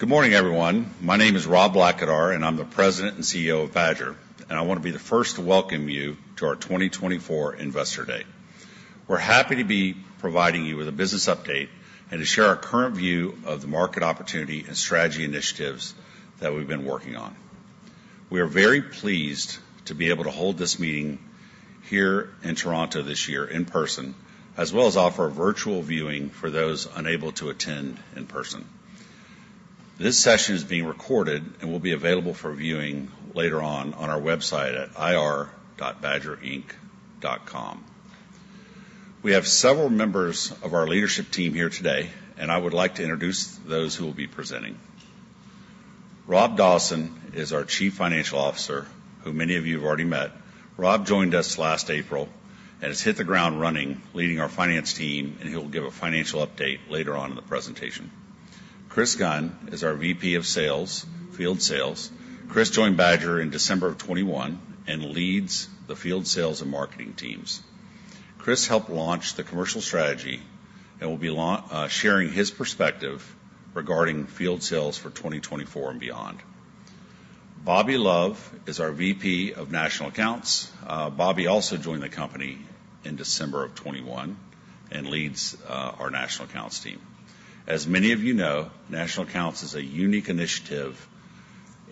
Good morning, everyone. My name is Rob Blackadar, and I'm the President and CEO of Badger, and I want to be the first to welcome you to our 2024 Investor Day. We're happy to be providing you with a business update and to share our current view of the market opportunity and strategy initiatives that we've been working on. We are very pleased to be able to hold this meeting here in Toronto this year in person, as well as offer a virtual viewing for those unable to attend in person. This session is being recorded and will be available for viewing later on our website at ir.badgerinc.com. We have several members of our leadership team here today, and I would like to introduce those who will be presenting. Rob Dawson is our Chief Financial Officer, who many of you have already met. Rob joined us last April and has hit the ground running, leading our finance team, and he'll give a financial update later on in the presentation. Chris Gunn is our VP of Sales, Field Sales. Chris joined Badger in December of 2021 and leads the Field Sales and Marketing teams. Chris helped launch the commercial strategy and will be sharing his perspective regarding Field Sales for 2024 and beyond. Bobby Love is our VP of National Accounts. Bobby also joined the company in December of 2021 and leads our National Accounts team. As many of you know, National Accounts is a unique initiative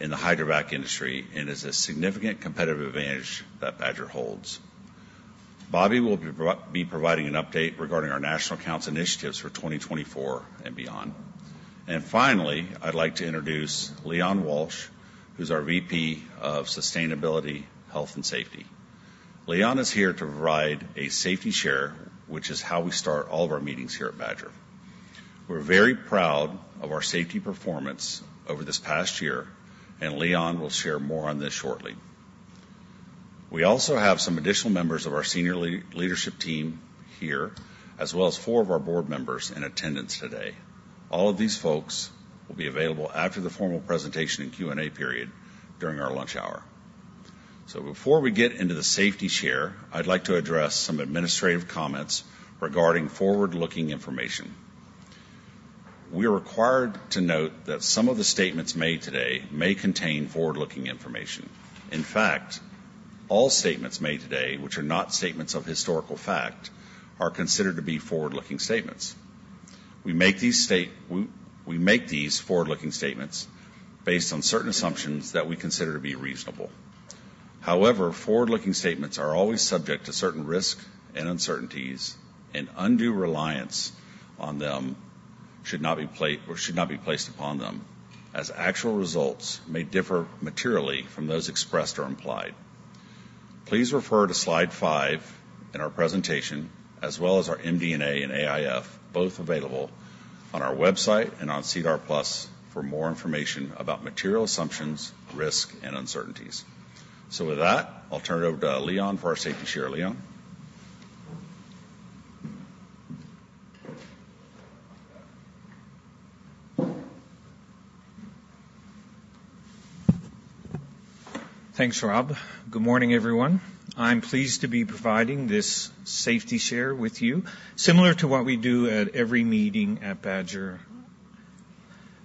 in the hydrovac industry and is a significant competitive advantage that Badger holds. Bobby will be providing an update regarding our National Accounts initiatives for 2024 and beyond. And finally, I'd like to introduce Leon Walsh, who's our VP of Sustainability, Health, and Safety. Leon is here to provide a safety share, which is how we start all of our meetings here at Badger. We're very proud of our safety performance over this past year, and Leon will share more on this shortly. We also have some additional members of our senior leadership team here, as well as four of our board members in attendance today. All of these folks will be available after the formal presentation and Q&A period during our lunch hour. So before we get into the safety share, I'd like to address some administrative comments regarding forward-looking information. We are required to note that some of the statements made today may contain forward-looking information. In fact, all statements made today, which are not statements of historical fact, are considered to be forward-looking statements. We make these forward-looking statements based on certain assumptions that we consider to be reasonable. However, forward-looking statements are always subject to certain risks and uncertainties, and undue reliance on them should not be placed upon them, as actual results may differ materially from those expressed or implied. Please refer to slide 5 in our presentation, as well as our MD&A and AIF, both available on our website and on SEDAR+ for more information about material assumptions, risks, and uncertainties. So with that, I'll turn it over to Leon for our safety share. Leon. Thanks, Rob. Good morning, everyone. I'm pleased to be providing this safety share with you, similar to what we do at every meeting at Badger.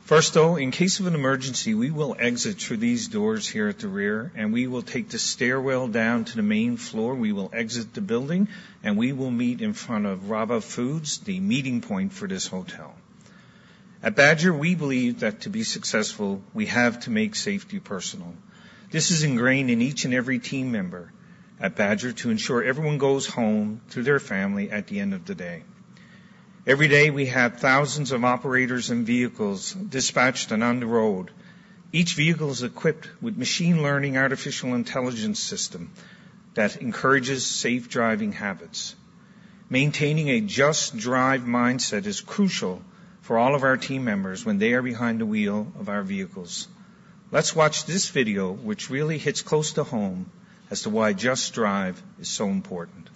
First, though, in case of an emergency, we will exit through these doors here at the rear, and we will take the stairwell down to the main floor. We will exit the building, and we will meet in front of Rabba Fine Foods, the meeting point for this hotel. At Badger, we believe that to be successful, we have to make safety personal. This is ingrained in each and every team member at Badger to ensure everyone goes home to their family at the end of the day. Every day, we have thousands of operators and vehicles dispatched and on the road. Each vehicle is equipped with machine learning, artificial intelligence system that encourages safe driving habits. Maintaining a Just Drive mindset is crucial for all of our team members when they are behind the wheel of our vehicles. Let's watch this video, which really hits close to home as to why Just Drive is so important.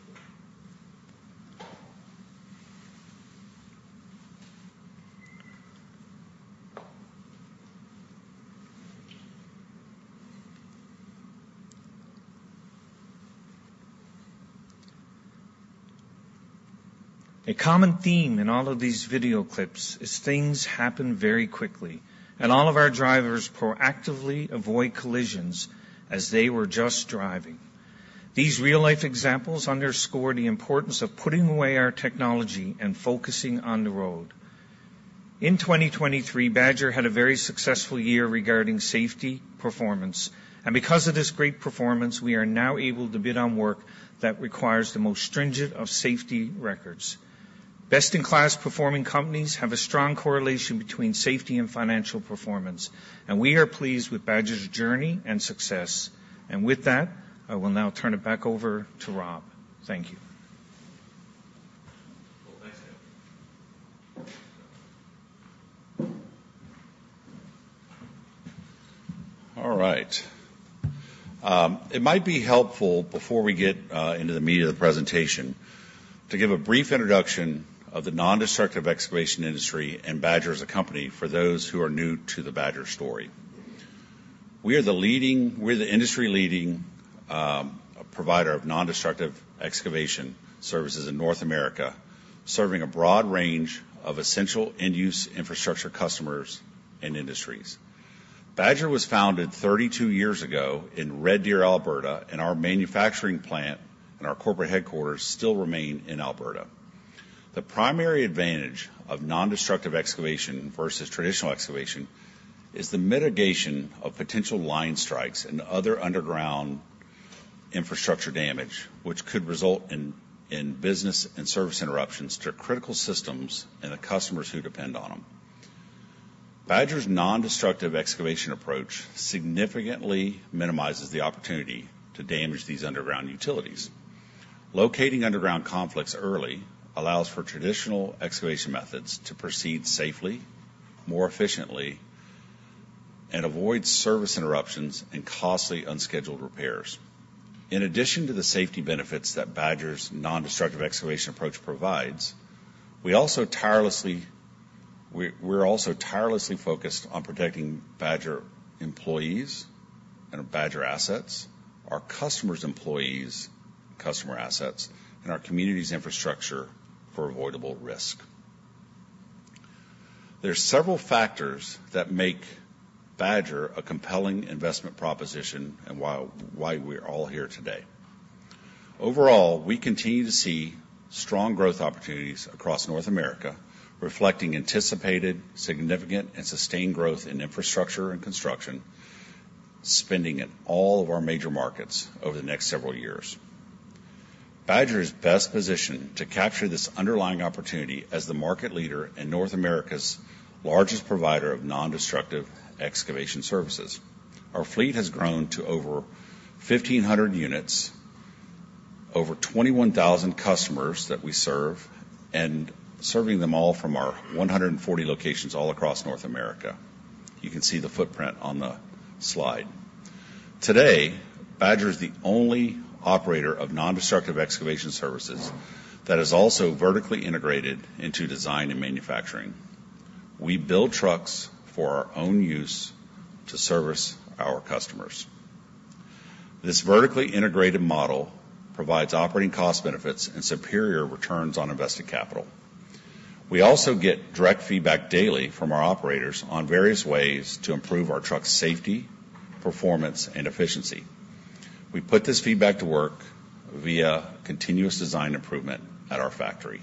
A common theme in all of these video clips is things happen very quickly, and all of our drivers proactively avoid collisions as they were just driving. These real-life examples underscore the importance of putting away our technology and focusing on the road. In 2023, Badger had a very successful year regarding safety performance, and because of this great performance, we are now able to bid on work that requires the most stringent of safety records. Best-in-class performing companies have a strong correlation between safety and financial performance, and we are pleased with Badger's journey and success. With that, I will now turn it back over to Rob. Thank you. Well, thanks, Leon. All right. It might be helpful before we get into the meat of the presentation to give a brief introduction of the nondestructive excavation industry and Badger as a company for those who are new to the Badger story. We are the industry-leading provider of nondestructive excavation services in North America, serving a broad range of essential end-use infrastructure customers and industries. Badger was founded 32 years ago in Red Deer, Alberta, and our manufacturing plant and our corporate headquarters still remain in Alberta. The primary advantage of nondestructive excavation versus traditional excavation is the mitigation of potential line strikes and other underground infrastructure damage, which could result in business and service interruptions to critical systems and the customers who depend on them. Badger's nondestructive excavation approach significantly minimizes the opportunity to damage these underground utilities. Locating underground conflicts early allows for traditional excavation methods to proceed safely, more efficiently, and avoid service interruptions and costly unscheduled repairs. In addition to the safety benefits that Badger's nondestructive excavation approach provides, we're also tirelessly focused on protecting Badger employees and Badger assets, our customers' employees and customer assets, and our community's infrastructure from avoidable risk. There are several factors that make Badger a compelling investment proposition and why we're all here today. Overall, we continue to see strong growth opportunities across North America, reflecting anticipated, significant, and sustained growth in infrastructure and construction spending in all of our major markets over the next several years. Badger is best positioned to capture this underlying opportunity as the market leader and North America's largest provider of nondestructive excavation services. Our fleet has grown to over 1,500 units, over 21,000 customers that we serve, and serving them all from our 140 locations all across North America. You can see the footprint on the slide. Today, Badger is the only operator of nondestructive excavation services that is also vertically integrated into design and manufacturing. We build trucks for our own use to service our customers. This vertically integrated model provides operating cost benefits and superior returns on invested capital. We also get direct feedback daily from our operators on various ways to improve our truck's safety, performance, and efficiency. We put this feedback to work via continuous design improvement at our factory.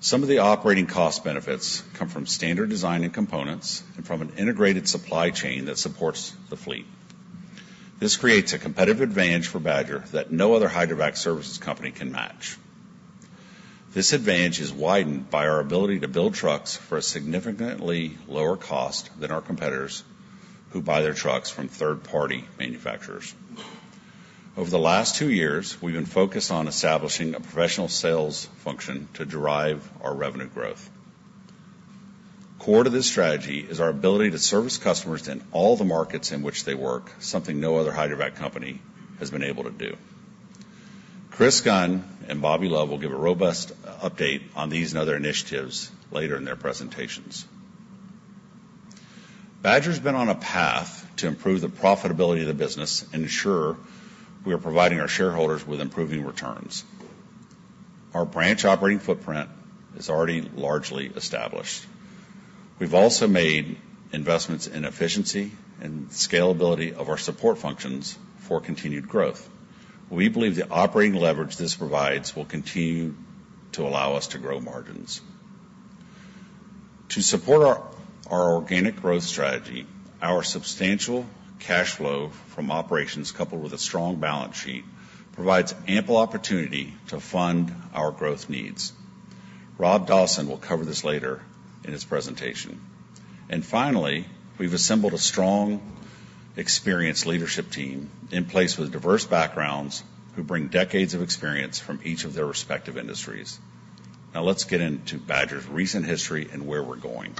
Some of the operating cost benefits come from standard design and components and from an integrated supply chain that supports the fleet. This creates a competitive advantage for Badger that no other Hydrovac services company can match. This advantage is widened by our ability to build trucks for a significantly lower cost than our competitors, who buy their trucks from third-party manufacturers. Over the last two years, we've been focused on establishing a professional sales function to drive our revenue growth. Core to this strategy is our ability to service customers in all the markets in which they work, something no other Hydrovac company has been able to do. Chris Gunn and Bobby Love will give a robust update on these and other initiatives later in their presentations. Badger has been on a path to improve the profitability of the business and ensure we are providing our shareholders with improving returns. Our branch operating footprint is already largely established. We've also made investments in efficiency and scalability of our support functions for continued growth. We believe the operating leverage this provides will continue to allow us to grow margins. To support our organic growth strategy, our substantial cash flow from operations, coupled with a strong balance sheet, provides ample opportunity to fund our growth needs. Rob Dawson will cover this later in his presentation. And finally, we've assembled a strong, experienced leadership team in place with diverse backgrounds who bring decades of experience from each of their respective industries. Now, let's get into Badger's recent history and where we're going.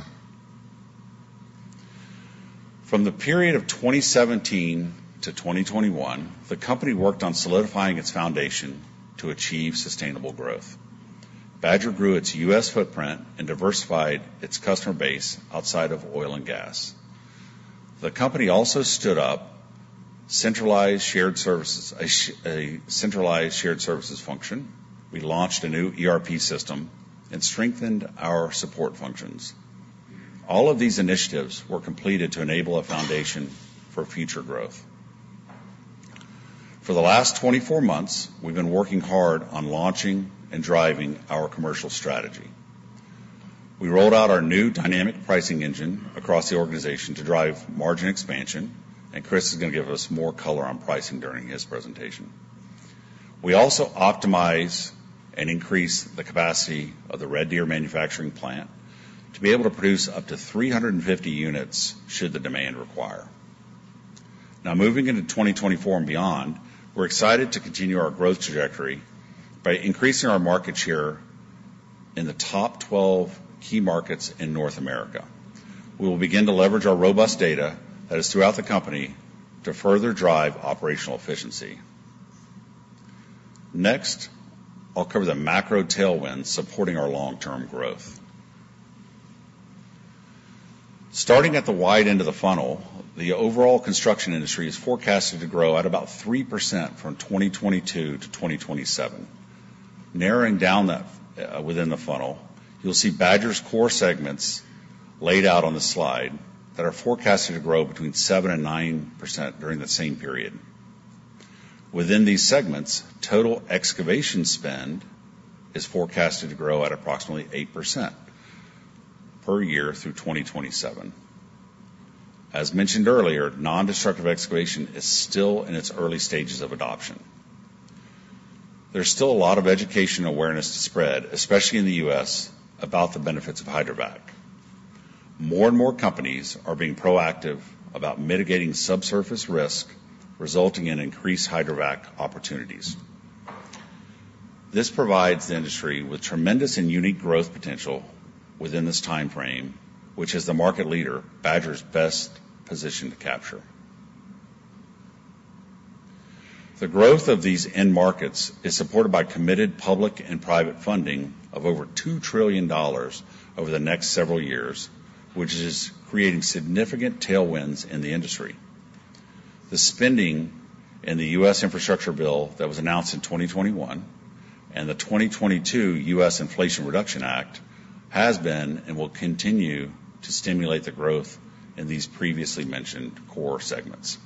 From the period of 2017 to 2021, the company worked on solidifying its foundation to achieve sustainable growth. Badger grew its U.S. footprint and diversified its customer base outside of oil and gas. The company also stood up a centralized shared services function. We launched a new ERP system and strengthened our support functions. All of these initiatives were completed to enable a foundation for future growth. For the last 24 months, we've been working hard on launching and driving our commercial strategy. We rolled out our new dynamic pricing engine across the organization to drive margin expansion, and Chris is going to give us more color on pricing during his presentation. We also optimize and increase the capacity of the Red Deer manufacturing plant to be able to produce up to 350 units should the demand require. Now, moving into 2024 and beyond, we're excited to continue our growth trajectory by increasing our market share in the top 12 key markets in North America. We will begin to leverage our robust data that is throughout the company to further drive operational efficiency. Next, I'll cover the macro tailwinds supporting our long-term growth. Starting at the wide end of the funnel, the overall construction industry is forecasted to grow at about 3% from 2022 to 2027. Narrowing down within the funnel, you'll see Badger's core segments laid out on the slide that are forecasted to grow between 7%-9% during the same period. Within these segments, total excavation spend is forecasted to grow at approximately 8% per year through 2027. As mentioned earlier, nondestructive excavation is still in its early stages of adoption. There's still a lot of education and awareness to spread, especially in the U.S., about the benefits of Hydrovac. More and more companies are being proactive about mitigating subsurface risk resulting in increased Hydrovac opportunities. This provides the industry with tremendous and unique growth potential within this time frame, which is the market leader Badger's best position to capture. The growth of these end markets is supported by committed public and private funding of over $2 trillion over the next several years, which is creating significant tailwinds in the industry. The spending in the U.S. infrastructure bill that was announced in 2021 and the 2022 U.S. Inflation Reduction Act has been and will continue to stimulate the growth in these previously mentioned core segments.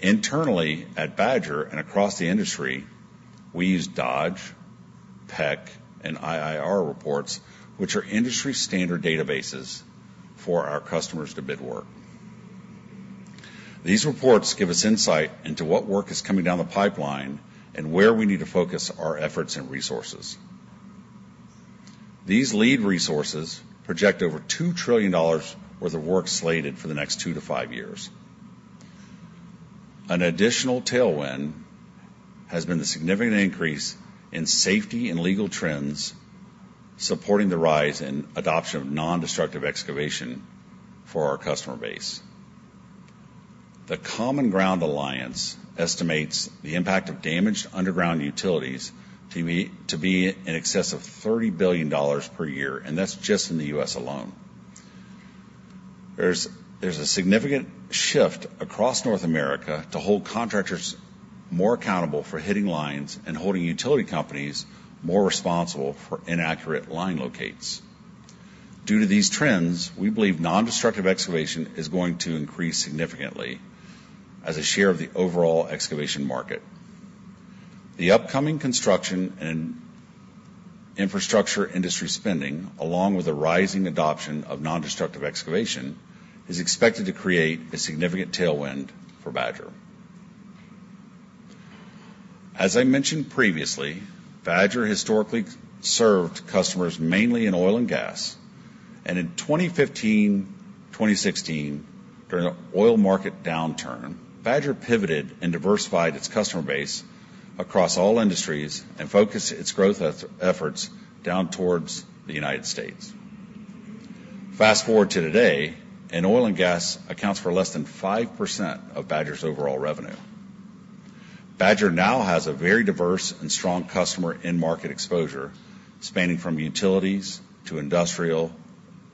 Internally at Badger and across the industry, we use Dodge, PEC, and IIR reports, which are industry-standard databases for our customers to bid work. These reports give us insight into what work is coming down the pipeline and where we need to focus our efforts and resources. These lead resources project over $2 trillion worth of work slated for the next two to five years. An additional tailwind has been the significant increase in safety and legal trends supporting the rise in adoption of nondestructive excavation for our customer base. The Common Ground Alliance estimates the impact of damaged underground utilities to be in excess of $30 billion per year, and that's just in the U.S. alone. There's a significant shift across North America to hold contractors more accountable for hitting lines and holding utility companies more responsible for inaccurate line locates. Due to these trends, we believe nondestructive excavation is going to increase significantly as a share of the overall excavation market. The upcoming construction and infrastructure industry spending, along with the rising adoption of nondestructive excavation, is expected to create a significant tailwind for Badger. As I mentioned previously, Badger historically served customers mainly in oil and gas. In 2015, 2016, during the oil market downturn, Badger pivoted and diversified its customer base across all industries and focused its growth efforts down towards the United States. Fast forward to today, and oil and gas accounts for less than 5% of Badger's overall revenue. Badger now has a very diverse and strong customer end market exposure spanning from utilities to industrial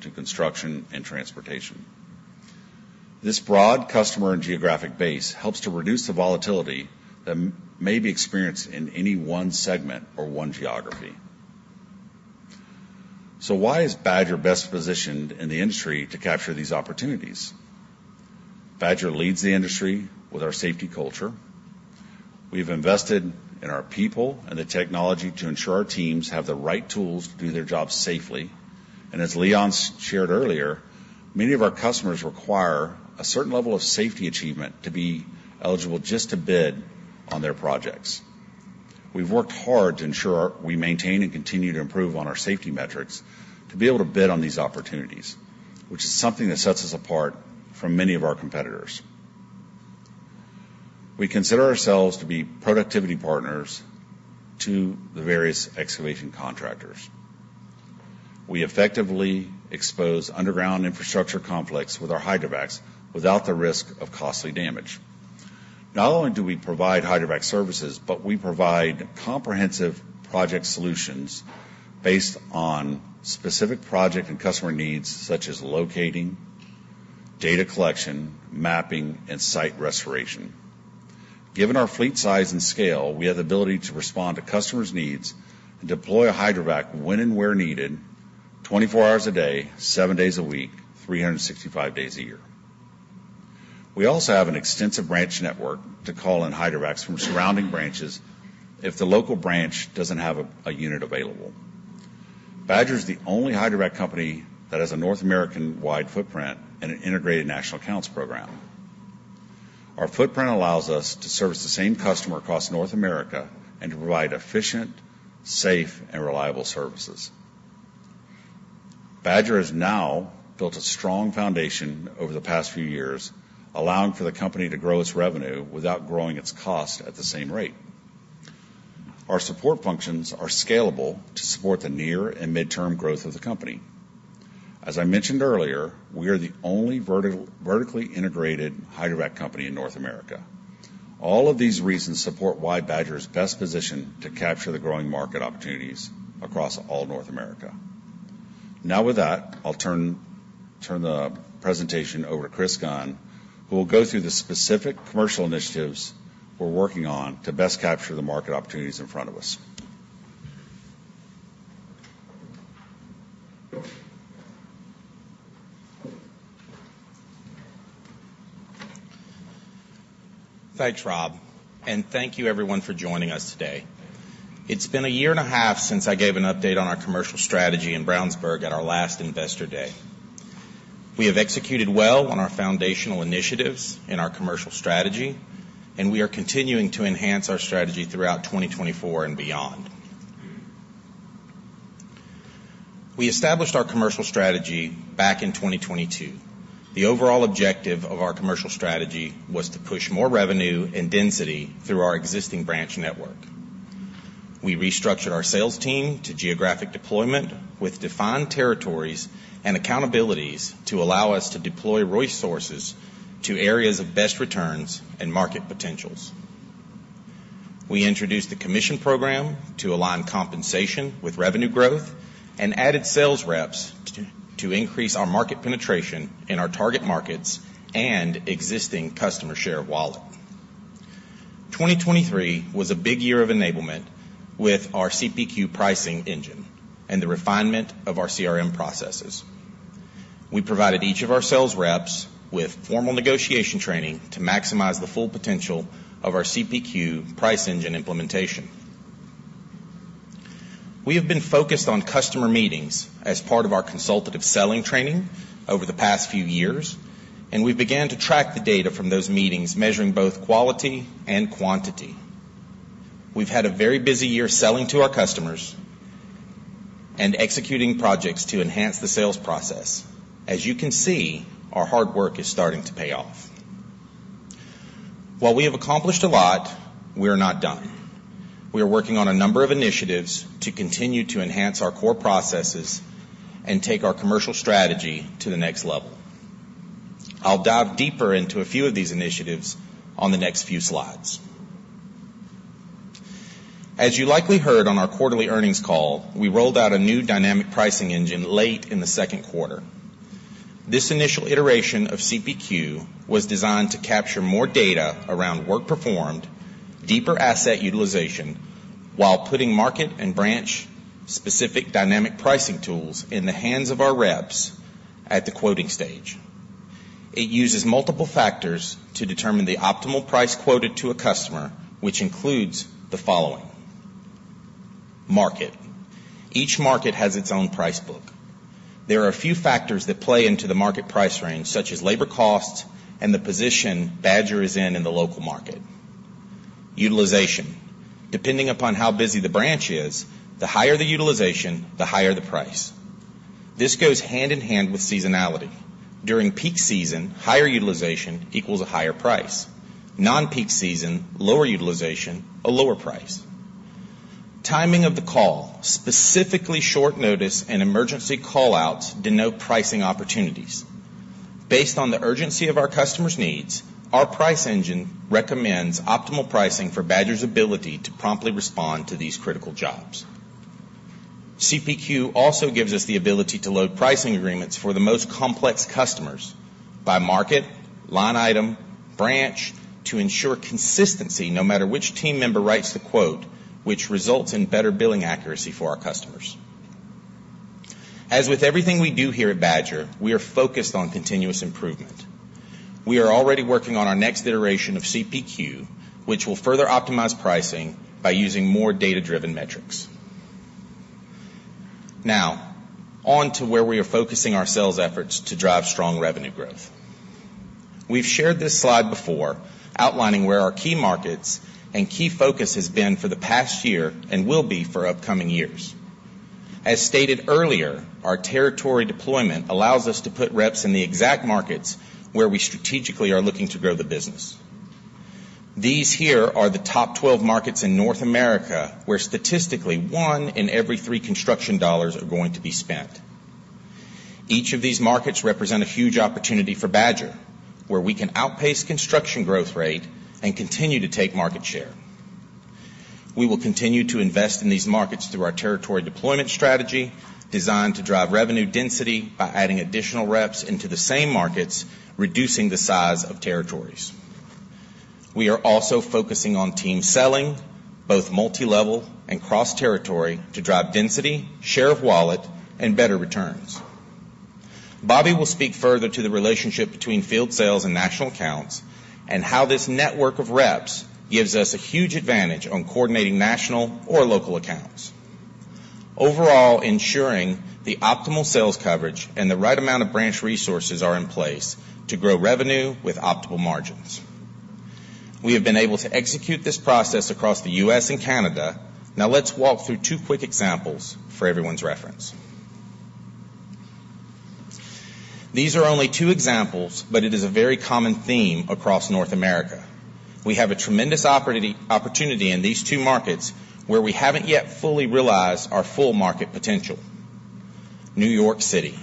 to construction and transportation. This broad customer and geographic base helps to reduce the volatility that may be experienced in any one segment or one geography. So why is Badger best positioned in the industry to capture these opportunities? Badger leads the industry with our safety culture. We've invested in our people and the technology to ensure our teams have the right tools to do their job safely. As Leon shared earlier, many of our customers require a certain level of safety achievement to be eligible just to bid on their projects. We've worked hard to ensure we maintain and continue to improve on our safety metrics to be able to bid on these opportunities, which is something that sets us apart from many of our competitors. We consider ourselves to be productivity partners to the various excavation contractors. We effectively expose underground infrastructure conflicts with our Hydrovacs without the risk of costly damage. Not only do we provide Hydrovac services, but we provide comprehensive project solutions based on specific project and customer needs, such as locating, data collection, mapping, and site restoration. Given our fleet size and scale, we have the ability to respond to customers' needs and deploy a Hydrovac when and where needed, 24 hours a day, 7 days a week, 365 days a year. We also have an extensive branch network to call in Hydrovacs from surrounding branches if the local branch doesn't have a unit available. Badger is the only Hydrovac company that has a North American-wide footprint and an integrated national accounts program. Our footprint allows us to service the same customer across North America and to provide efficient, safe, and reliable services. Badger has now built a strong foundation over the past few years, allowing for the company to grow its revenue without growing its cost at the same rate. Our support functions are scalable to support the near and mid-term growth of the company. As I mentioned earlier, we are the only vertically integrated Hydrovac company in North America. All of these reasons support why Badger is best positioned to capture the growing market opportunities across all North America. Now, with that, I'll turn the presentation over to Chris Gunn, who will go through the specific commercial initiatives we're working on to best capture the market opportunities in front of us. Thanks, Rob. Thank you, everyone, for joining us today. It's been a year and a half since I gave an update on our commercial strategy in Brownsburg at our last Investor Day. We have executed well on our foundational initiatives in our commercial strategy, and we are continuing to enhance our strategy throughout 2024 and beyond. We established our commercial strategy back in 2022. The overall objective of our commercial strategy was to push more revenue and density through our existing branch network. We restructured our sales team to geographic deployment with defined territories and accountabilities to allow us to deploy resources to areas of best returns and market potentials. We introduced the commission program to align compensation with revenue growth and added sales reps to increase our market penetration in our target markets and existing customer share wallet. 2023 was a big year of enablement with our CPQ pricing engine and the refinement of our CRM processes. We provided each of our sales reps with formal negotiation training to maximize the full potential of our CPQ price engine implementation. We have been focused on customer meetings as part of our consultative selling training over the past few years, and we've began to track the data from those meetings, measuring both quality and quantity. We've had a very busy year selling to our customers and executing projects to enhance the sales process. As you can see, our hard work is starting to pay off. While we have accomplished a lot, we are not done. We are working on a number of initiatives to continue to enhance our core processes and take our commercial strategy to the next level. I'll dive deeper into a few of these initiatives on the next few slides. As you likely heard on our quarterly earnings call, we rolled out a new dynamic pricing engine late in the second quarter. This initial iteration of CPQ was designed to capture more data around work performed, deeper asset utilization, while putting market and branch-specific dynamic pricing tools in the hands of our reps at the quoting stage. It uses multiple factors to determine the optimal price quoted to a customer, which includes the following: Market. Each market has its own price book. There are a few factors that play into the market price range, such as labor costs and the position Badger is in in the local market. Utilization. Depending upon how busy the branch is, the higher the utilization, the higher the price. This goes hand in hand with seasonality. During peak season, higher utilization equals a higher price. Non-peak season, lower utilization, a lower price. Timing of the call. Specifically, short notice and emergency callouts denote pricing opportunities. Based on the urgency of our customers' needs, our price engine recommends optimal pricing for Badger's ability to promptly respond to these critical jobs. CPQ also gives us the ability to load pricing agreements for the most complex customers by market, line item, branch to ensure consistency no matter which team member writes the quote, which results in better billing accuracy for our customers. As with everything we do here at Badger, we are focused on continuous improvement. We are already working on our next iteration of CPQ, which will further optimize pricing by using more data-driven metrics. Now, on to where we are focusing our sales efforts to drive strong revenue growth. We've shared this slide before, outlining where our key markets and key focus has been for the past year and will be for upcoming years. As stated earlier, our territory deployment allows us to put reps in the exact markets where we strategically are looking to grow the business. These here are the top 12 markets in North America where statistically one in every three construction dollars are going to be spent. Each of these markets represents a huge opportunity for Badger, where we can outpace construction growth rate and continue to take market share. We will continue to invest in these markets through our territory deployment strategy designed to drive revenue density by adding additional reps into the same markets, reducing the size of territories. We are also focusing on team selling, both multilevel and cross-territory, to drive density, share of wallet, and better returns. Bobby will speak further to the relationship between field sales and national accounts and how this network of reps gives us a huge advantage on coordinating national or local accounts, overall ensuring the optimal sales coverage and the right amount of branch resources are in place to grow revenue with optimal margins. We have been able to execute this process across the U.S. and Canada. Now, let's walk through 2 quick examples for everyone's reference. These are only 2 examples, but it is a very common theme across North America. We have a tremendous opportunity in these 2 markets where we haven't yet fully realized our full market potential: New York City.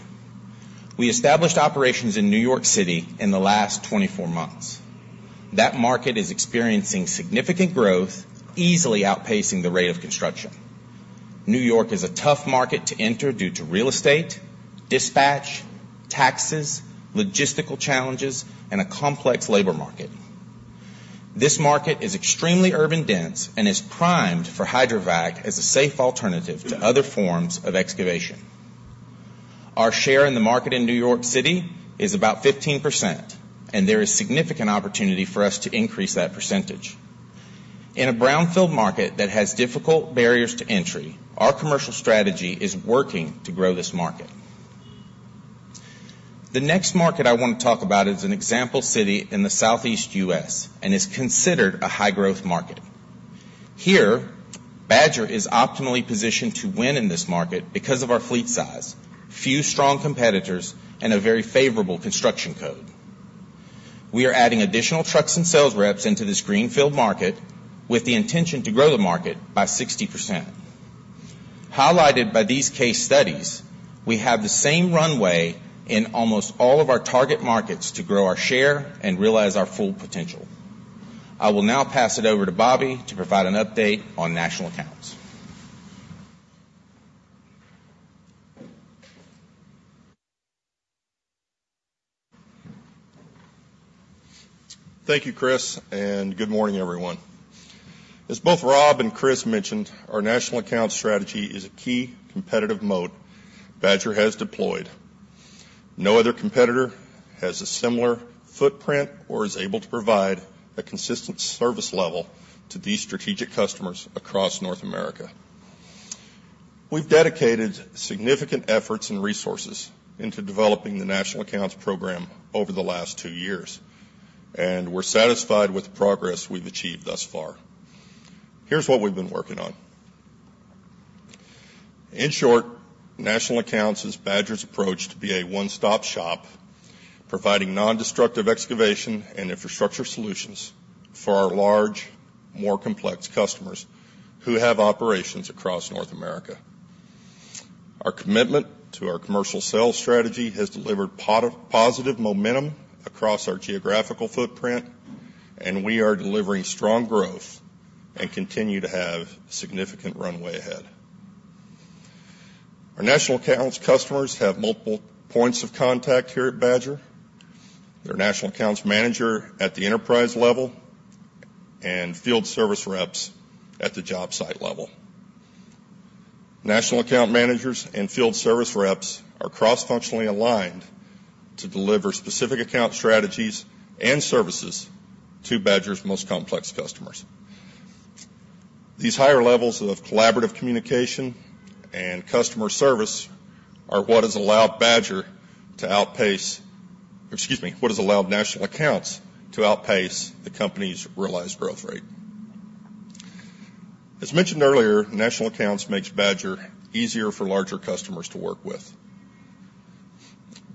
We established operations in New York City in the last 24 months. That market is experiencing significant growth, easily outpacing the rate of construction. New York is a tough market to enter due to real estate, dispatch, taxes, logistical challenges, and a complex labor market. This market is extremely urban-dense and is primed for Hydrovac as a safe alternative to other forms of excavation. Our share in the market in New York City is about 15%, and there is significant opportunity for us to increase that percentage. In a brownfield market that has difficult barriers to entry, our commercial strategy is working to grow this market. The next market I want to talk about is an example city in the Southeast US and is considered a high-growth market. Here, Badger is optimally positioned to win in this market because of our fleet size, few strong competitors, and a very favorable construction code. We are adding additional trucks and sales reps into this greenfield market with the intention to grow the market by 60%. Highlighted by these case studies, we have the same runway in almost all of our target markets to grow our share and realize our full potential. I will now pass it over to Bobby to provide an update on national accounts. Thank you, Chris, and good morning, everyone. As both Rob and Chris mentioned, our national accounts strategy is a key competitive moat Badger has deployed. No other competitor has a similar footprint or is able to provide a consistent service level to these strategic customers across North America. We've dedicated significant efforts and resources into developing the national accounts program over the last two years, and we're satisfied with the progress we've achieved thus far. Here's what we've been working on. In short, national accounts is Badger's approach to be a one-stop shop, providing nondestructive excavation and infrastructure solutions for our large, more complex customers who have operations across North America. Our commitment to our commercial sales strategy has delivered positive momentum across our geographical footprint, and we are delivering strong growth and continue to have significant runway ahead. Our national accounts customers have multiple points of contact here at Badger: their national accounts manager at the enterprise level and field service reps at the jobsite level. National account managers and field service reps are cross-functionally aligned to deliver specific account strategies and services to Badger's most complex customers. These higher levels of collaborative communication and customer service are what has allowed Badger to outpace, excuse me, what has allowed national accounts to outpace the company's realized growth rate. As mentioned earlier, national accounts makes Badger easier for larger customers to work with.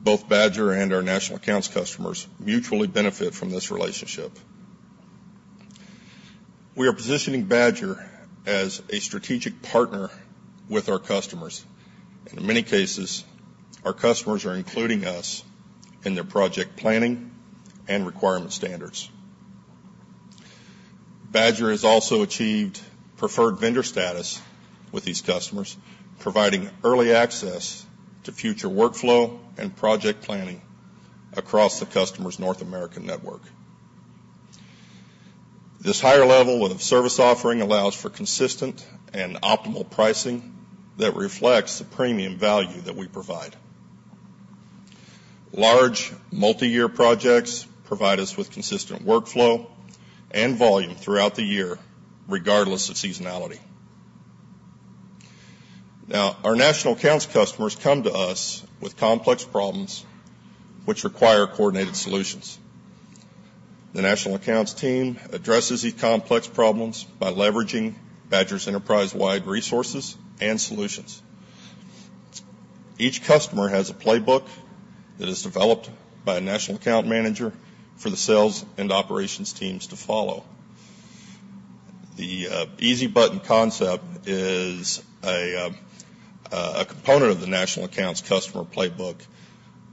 Both Badger and our national accounts customers mutually benefit from this relationship. We are positioning Badger as a strategic partner with our customers, and in many cases, our customers are including us in their project planning and requirement standards. Badger has also achieved preferred vendor status with these customers, providing early access to future workflow and project planning across the customer's North American network. This higher level of service offering allows for consistent and optimal pricing that reflects the premium value that we provide. Large, multi-year projects provide us with consistent workflow and volume throughout the year, regardless of seasonality. Now, our national accounts customers come to us with complex problems which require coordinated solutions. The national accounts team addresses these complex problems by leveraging Badger's enterprise-wide resources and solutions. Each customer has a playbook that is developed by a national account manager for the sales and operations teams to follow. The easy-button concept is a component of the national accounts customer playbook.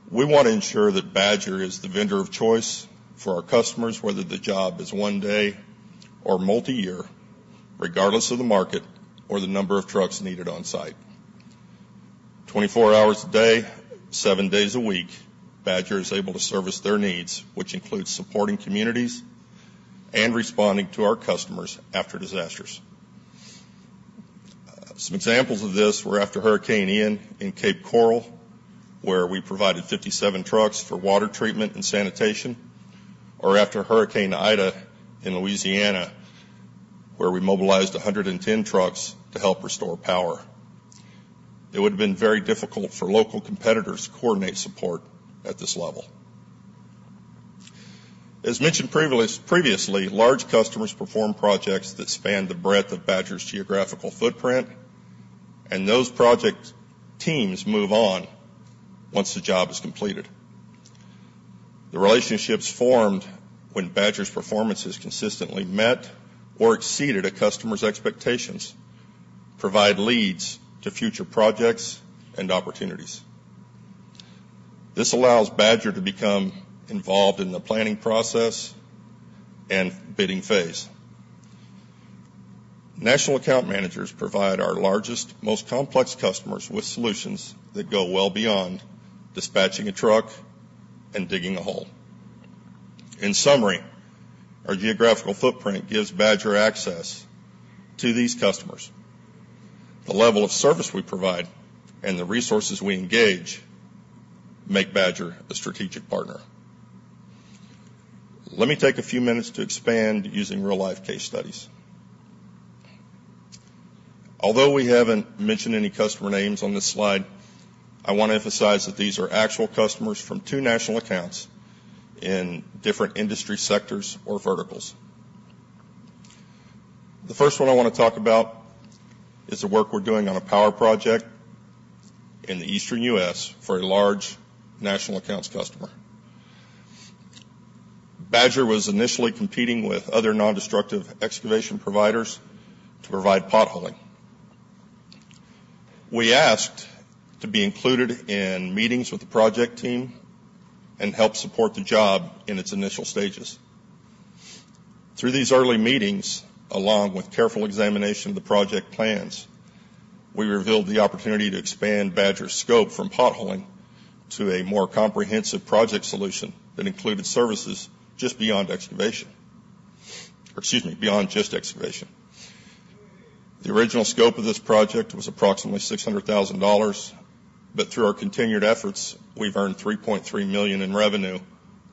We want to ensure that Badger is the vendor of choice for our customers, whether the job is one day or multi-year, regardless of the market or the number of trucks needed on site. 24 hours a day, seven days a week, Badger is able to service their needs, which includes supporting communities and responding to our customers after disasters. Some examples of this were after Hurricane Ian in Cape Coral, where we provided 57 trucks for water treatment and sanitation, or after Hurricane Ida in Louisiana, where we mobilized 110 trucks to help restore power. It would have been very difficult for local competitors to coordinate support at this level. As mentioned previously, large customers perform projects that span the breadth of Badger's geographical footprint, and those project teams move on once the job is completed. The relationships formed when Badger's performances consistently met or exceeded a customer's expectations provide leads to future projects and opportunities. This allows Badger to become involved in the planning process and bidding phase. National account managers provide our largest, most complex customers with solutions that go well beyond dispatching a truck and digging a hole. In summary, our geographical footprint gives Badger access to these customers. The level of service we provide and the resources we engage make Badger a strategic partner. Let me take a few minutes to expand using real-life case studies. Although we haven't mentioned any customer names on this slide, I want to emphasize that these are actual customers from two national accounts in different industry sectors or verticals. The first one I want to talk about is the work we're doing on a power project in the Eastern US for a large national accounts customer. Badger was initially competing with other nondestructive excavation providers to provide potholing. We asked to be included in meetings with the project team and help support the job in its initial stages. Through these early meetings, along with careful examination of the project plans, we revealed the opportunity to expand Badger's scope from potholing to a more comprehensive project solution that included services just beyond excavation or excuse me, beyond just excavation. The original scope of this project was approximately $600,000, but through our continued efforts, we've earned $3.3 million in revenue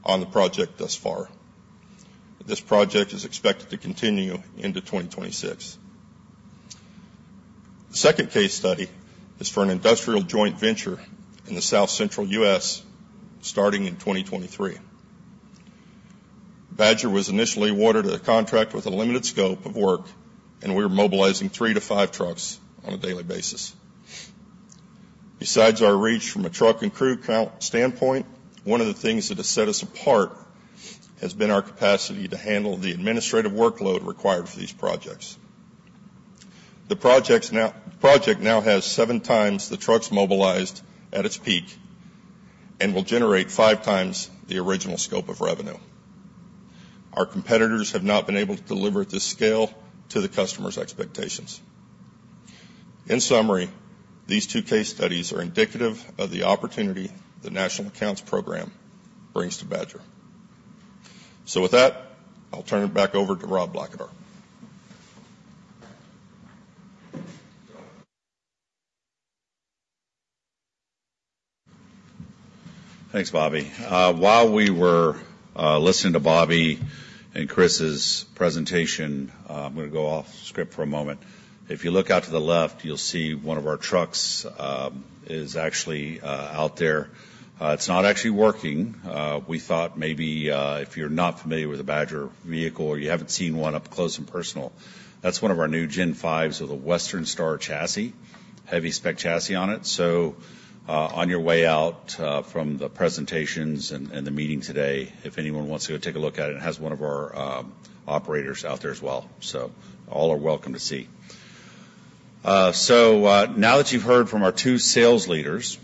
on the project thus far. This project is expected to continue into 2026. The second case study is for an industrial joint venture in the South Central US starting in 2023. Badger was initially awarded a contract with a limited scope of work, and we were mobilizing 3-5 trucks on a daily basis. Besides our reach from a truck and crew standpoint, one of the things that has set us apart has been our capacity to handle the administrative workload required for these projects. The project now has 7 times the trucks mobilized at its peak and will generate 5 times the original scope of revenue. Our competitors have not been able to deliver at this scale to the customer's expectations. In summary, these two case studies are indicative of the opportunity the national accounts program brings to Badger. So with that, I'll turn it back over to Rob Blackadar. Thanks, Bobby. While we were listening to Bobby and Chris's presentation, I'm going to go off-script for a moment. If you look out to the left, you'll see one of our trucks is actually out there. It's not actually working. We thought maybe if you're not familiar with a Badger vehicle or you haven't seen one up close and personal, that's one of our new Gen 5s with a Western Star chassis, heavy spec chassis on it. So on your way out from the presentations and the meeting today, if anyone wants to go take a look at it, it has one of our operators out there as well. So all are welcome to see. So now that you've heard from our two sales leaders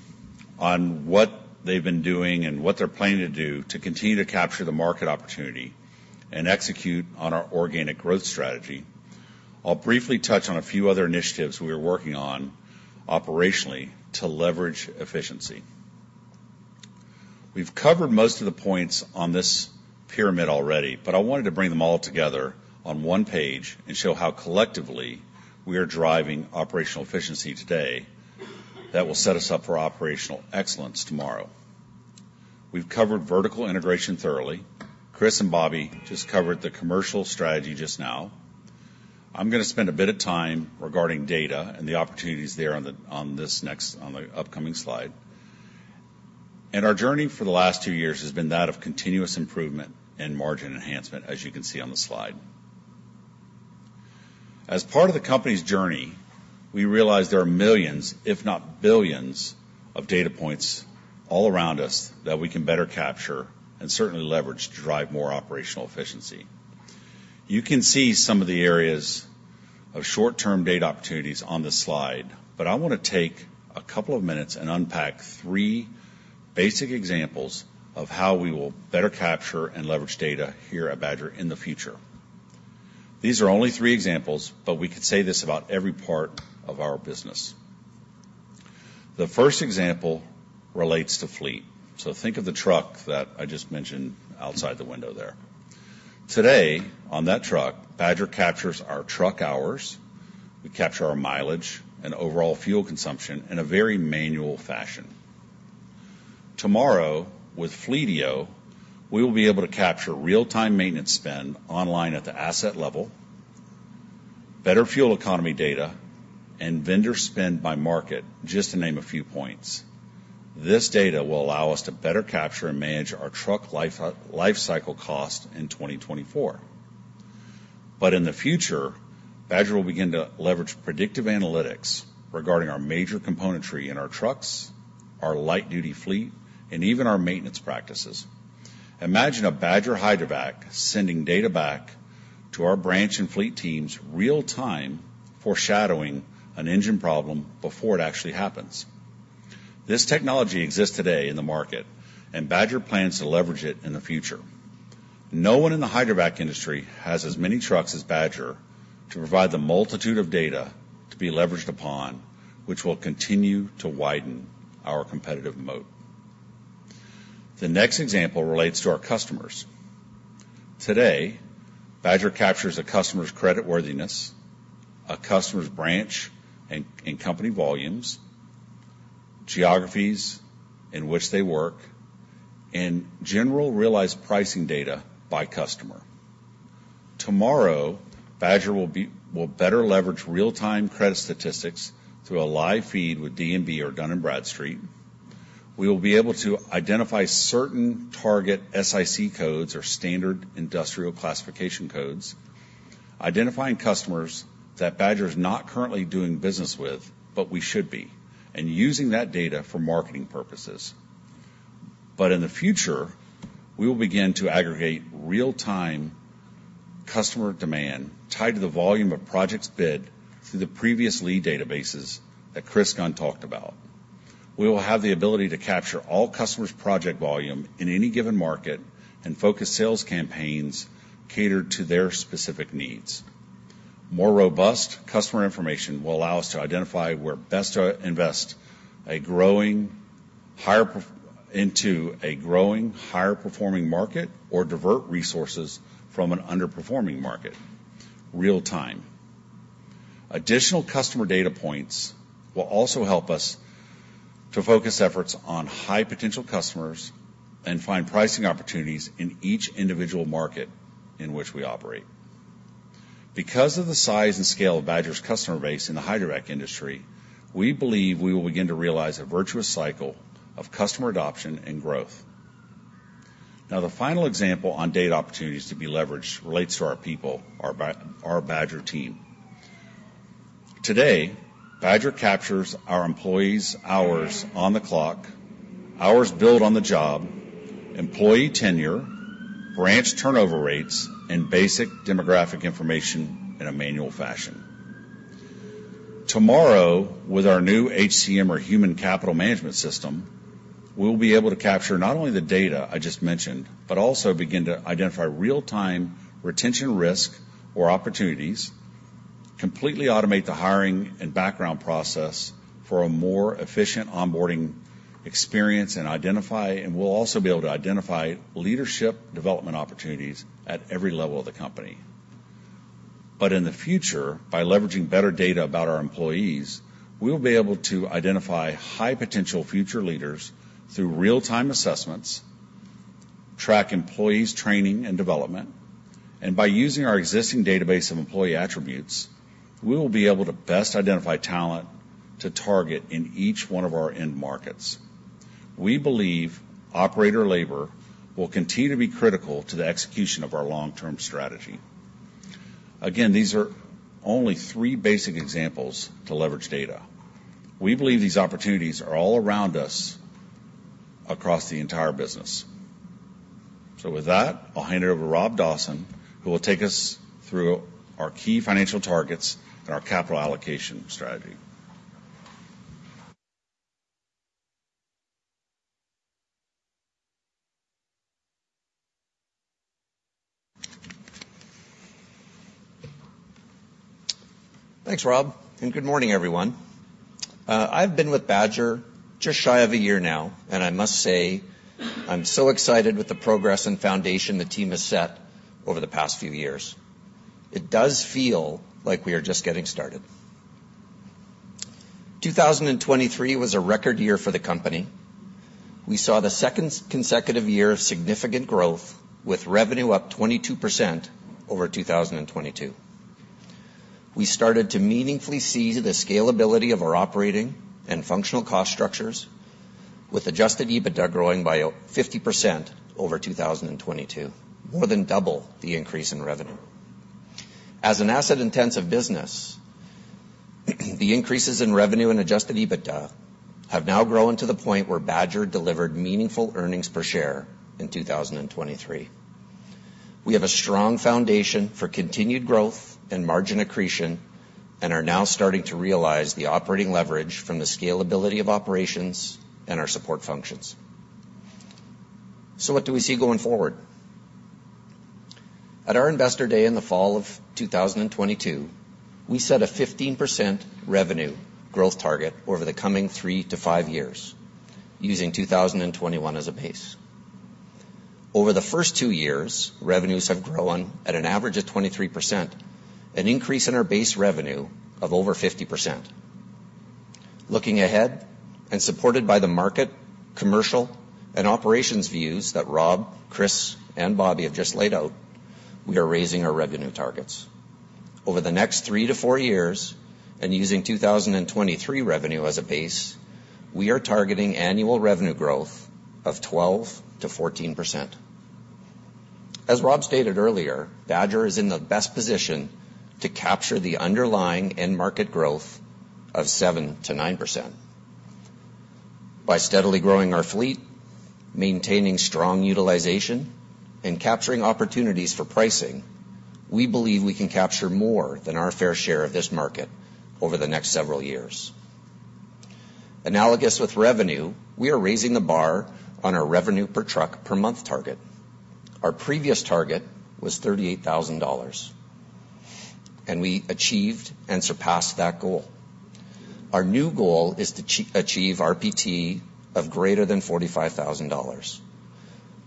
on what they've been doing and what they're planning to do to continue to capture the market opportunity and execute on our organic growth strategy, I'll briefly touch on a few other initiatives we are working on operationally to leverage efficiency. We've covered most of the points on this pyramid already, but I wanted to bring them all together on one page and show how collectively we are driving operational efficiency today that will set us up for operational excellence tomorrow. We've covered vertical integration thoroughly. Chris and Bobby just covered the commercial strategy just now. I'm going to spend a bit of time regarding data and the opportunities there on the upcoming slide. Our journey for the last two years has been that of continuous improvement and margin enhancement, as you can see on the slide. As part of the company's journey, we realized there are millions, if not billions, of data points all around us that we can better capture and certainly leverage to drive more operational efficiency. You can see some of the areas of short-term data opportunities on this slide, but I want to take a couple of minutes and unpack three basic examples of how we will better capture and leverage data here at Badger in the future. These are only three examples, but we could say this about every part of our business. The first example relates to fleet. So think of the truck that I just mentioned outside the window there. Today, on that truck, Badger captures our truck hours. We capture our mileage and overall fuel consumption in a very manual fashion. Tomorrow, with Fleetio, we will be able to capture real-time maintenance spend online at the asset level, better fuel economy data, and vendor spend by market, just to name a few points. This data will allow us to better capture and manage our truck lifecycle cost in 2024. But in the future, Badger will begin to leverage predictive analytics regarding our major componentry in our trucks, our light-duty fleet, and even our maintenance practices. Imagine a Badger Hydrovac sending data back to our branch and fleet teams real-time foreshadowing an engine problem before it actually happens. This technology exists today in the market, and Badger plans to leverage it in the future. No one in the Hydrovac industry has as many trucks as Badger to provide the multitude of data to be leveraged upon, which will continue to widen our competitive moat. The next example relates to our customers. Today, Badger captures a customer's creditworthiness, a customer's branch and company volumes, geographies in which they work, and general realized pricing data by customer. Tomorrow, Badger will better leverage real-time credit statistics through a live feed with DNB or Dun & Bradstreet. We will be able to identify certain target SIC codes or standard industrial classification codes, identifying customers that Badger is not currently doing business with but we should be, and using that data for marketing purposes. But in the future, we will begin to aggregate real-time customer demand tied to the volume of projects bid through the previous lead databases that Chris Gunn talked about. We will have the ability to capture all customers' project volume in any given market and focus sales campaigns catered to their specific needs. More robust customer information will allow us to identify where best to invest into a growing, higher-performing market or divert resources from an underperforming market real-time. Additional customer data points will also help us to focus efforts on high-potential customers and find pricing opportunities in each individual market in which we operate. Because of the size and scale of Badger's customer base in the Hydrovac industry, we believe we will begin to realize a virtuous cycle of customer adoption and growth. Now, the final example on data opportunities to be leveraged relates to our people, our Badger team. Today, Badger captures our employees' hours on the clock, hours billed on the job, employee tenure, branch turnover rates, and basic demographic information in a manual fashion. Tomorrow, with our new HCM or human capital management system, we will be able to capture not only the data I just mentioned but also begin to identify real-time retention risk or opportunities, completely automate the hiring and background process for a more efficient onboarding experience, and we'll also be able to identify leadership development opportunities at every level of the company. But in the future, by leveraging better data about our employees, we will be able to identify high-potential future leaders through real-time assessments, track employees' training and development, and by using our existing database of employee attributes, we will be able to best identify talent to target in each one of our end markets. We believe operator labor will continue to be critical to the execution of our long-term strategy. Again, these are only three basic examples to leverage data. We believe these opportunities are all around us across the entire business. So with that, I'll hand it over to Rob Dawson, who will take us through our key financial targets and our capital allocation strategy. Thanks, Rob, and good morning, everyone. I've been with Badger just shy of a year now, and I must say I'm so excited with the progress and foundation the team has set over the past few years. It does feel like we are just getting started. 2023 was a record year for the company. We saw the second consecutive year of significant growth, with revenue up 22% over 2022. We started to meaningfully see the scalability of our operating and functional cost structures, with Adjusted EBITDA growing by 50% over 2022, more than double the increase in revenue. As an asset-intensive business, the increases in revenue and Adjusted EBITDA have now grown to the point where Badger delivered meaningful Earnings Per Share in 2023. We have a strong foundation for continued growth and margin accretion and are now starting to realize the operating leverage from the scalability of operations and our support functions. So what do we see going forward? At our investor day in the fall of 2022, we set a 15% revenue growth target over the coming 3-5 years, using 2021 as a base. Over the first 2 years, revenues have grown at an average of 23%, an increase in our base revenue of over 50%. Looking ahead and supported by the market, commercial, and operations views that Rob, Chris, and Bobby have just laid out, we are raising our revenue targets. Over the next 3-4 years and using 2023 revenue as a base, we are targeting annual revenue growth of 12%-14%. As Rob stated earlier, Badger is in the best position to capture the underlying end-market growth of 7%-9%. By steadily growing our fleet, maintaining strong utilization, and capturing opportunities for pricing, we believe we can capture more than our fair share of this market over the next several years. Analogous with revenue, we are raising the bar on our revenue per truck per month target. Our previous target was $38,000, and we achieved and surpassed that goal. Our new goal is to achieve RPT of greater than $45,000.